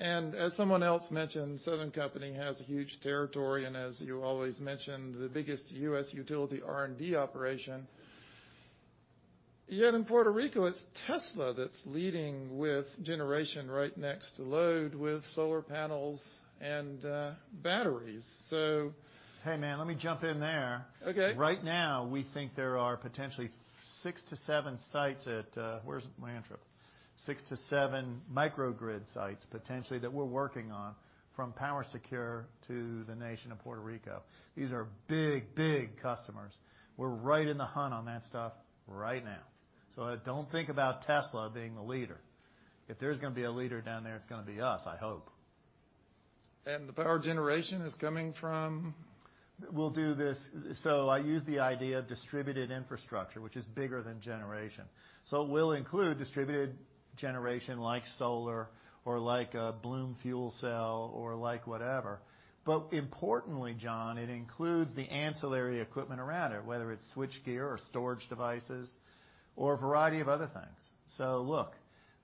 as someone else mentioned, Southern Company has a huge territory, as you always mention, the biggest U.S. utility R&D operation. Yet in Puerto Rico, it's Tesla that's leading with generation right next to load with solar panels and batteries. Hey, man, let me jump in there. Okay. Right now, we think there are potentially six to seven microgrid sites, potentially, that we're working on from PowerSecure to the nation of Puerto Rico. These are big customers. We're right in the hunt on that stuff right now. Don't think about Tesla being the leader. If there's going to be a leader down there, it's going to be us, I hope. The power generation is coming from? I use the idea of distributed infrastructure, which is bigger than generation. It will include distributed generation like solar or like a Bloom fuel cell or like whatever. Importantly, John, it includes the ancillary equipment around it, whether it's switchgear or storage devices or a variety of other things. Look,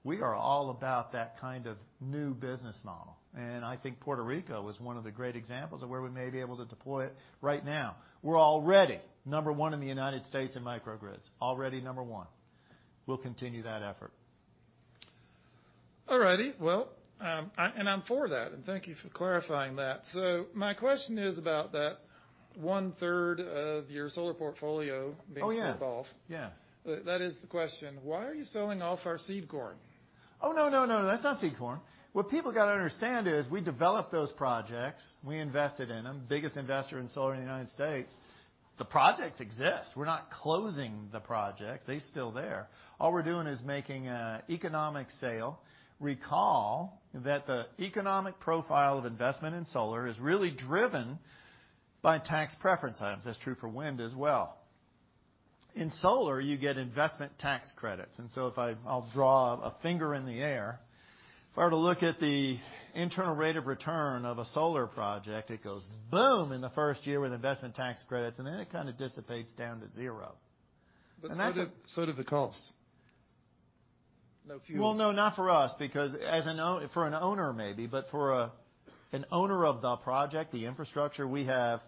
we are all about that kind of new business model. I think Puerto Rico is one of the great examples of where we may be able to deploy it right now. We're already number one in the United States in microgrids. Already number one. We'll continue that effort. All righty. I'm for that, and thank you for clarifying that. My question is about that one-third of your solar portfolio being sold off. Oh, yeah. That is the question: why are you selling off our seed corn? Oh, no. That's not seed corn. What people got to understand is we developed those projects, we invested in them, biggest investor in solar in the U.S. The projects exist. We're not closing the project. They're still there. All we're doing is making an economic sale. Recall that the economic profile of investment in solar is really driven by tax preference items. That's true for wind as well. In solar, you get investment tax credits. If I'll draw a finger in the air. If I were to look at the internal rate of return of a solar project, it goes boom in the first year with investment tax credits, and then it kind of dissipates down to zero. So do the costs. No fuel. Well, no, not for us because for an owner, maybe. For an owner of the project, the infrastructure, we have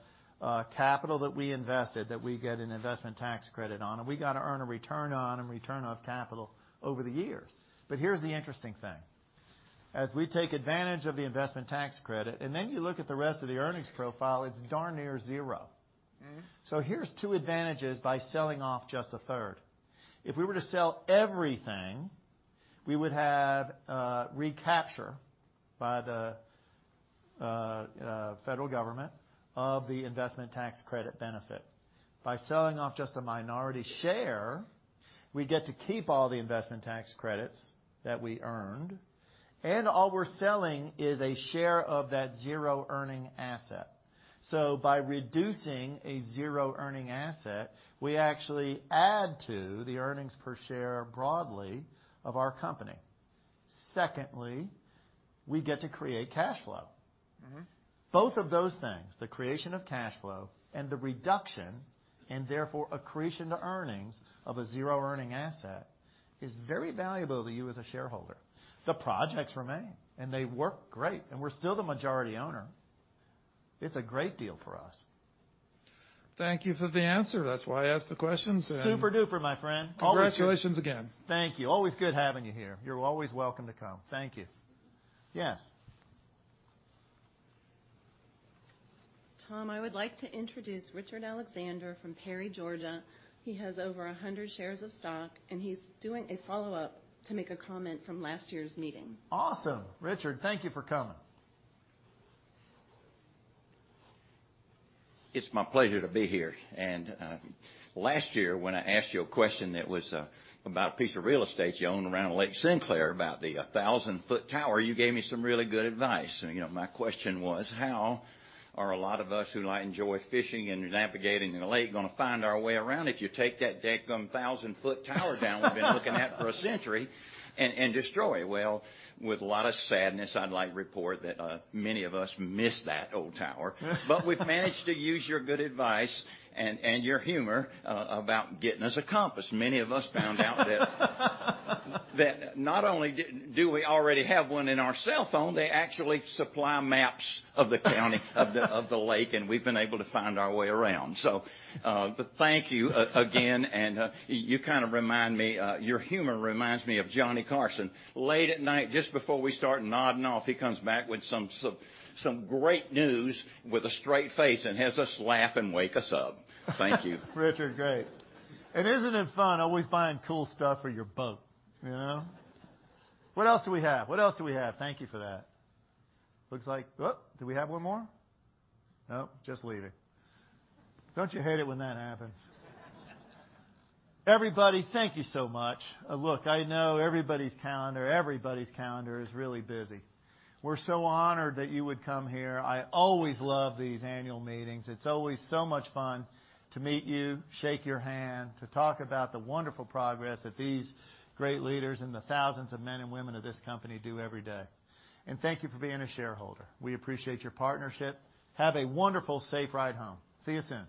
capital that we invested that we get an investment tax credit on, and we got to earn a return on and return of capital over the years. Here's the interesting thing. As we take advantage of the investment tax credit, you look at the rest of the earnings profile, it's darn near zero. Here's two advantages by selling off just a third. If we were to sell everything, we would have a recapture by the federal government of the investment tax credit benefit. By selling off just a minority share, we get to keep all the investment tax credits that we earned, and all we're selling is a share of that zero-earning asset. By reducing a zero-earning asset, we actually add to the earnings per share broadly of our company. Secondly, we get to create cash flow. Both of those things, the creation of cash flow and the reduction, and therefore accretion to earnings of a zero-earning asset, is very valuable to you as a shareholder. The projects remain, and they work great. We're still the majority owner. It's a great deal for us. Thank you for the answer. That's why I asked the questions. Super-duper, my friend. Always good. Congratulations again. Thank you. Always good having you here. You're always welcome to come. Thank you. Yes. Tom, I would like to introduce Richard Alexander from Perry, Georgia. He has over 100 shares of stock, he's doing a follow-up to make a comment from last year's meeting. Awesome. Richard, thank you for coming. It's my pleasure to be here. Last year, when I asked you a question that was about a piece of real estate you own around Lake Sinclair, about the 1,000-foot tower, you gave me some really good advice. My question was, how are a lot of us who enjoy fishing and navigating in a lake going to find our way around if you take that dadgum 1,000-foot tower down, we've been looking at for a century and destroy it? Well, with a lot of sadness, I'd like to report that many of us miss that old tower. We've managed to use your good advice and your humor about getting us a compass. Many of us found out that not only do we already have one in our cell phone, they actually supply maps of the lake, and we've been able to find our way around. Thank you, again, and you kind of remind me, your humor reminds me of Johnny Carson. Late at night, just before we start nodding off, he comes back with some great news with a straight face and has us laugh and wake us up. Thank you. Richard, great. Isn't it fun always finding cool stuff for your boat? What else do we have? Thank you for that. Looks like, oh, do we have one more? Nope, just leaving. Don't you hate it when that happens? Everybody, thank you so much. Look, I know everybody's calendar is really busy. We're so honored that you would come here. I always love these annual meetings. It's always so much fun to meet you, shake your hand, to talk about the wonderful progress that these great leaders and the thousands of men and women of this company do every day. Thank you for being a shareholder. We appreciate your partnership. Have a wonderful, safe ride home. See you soon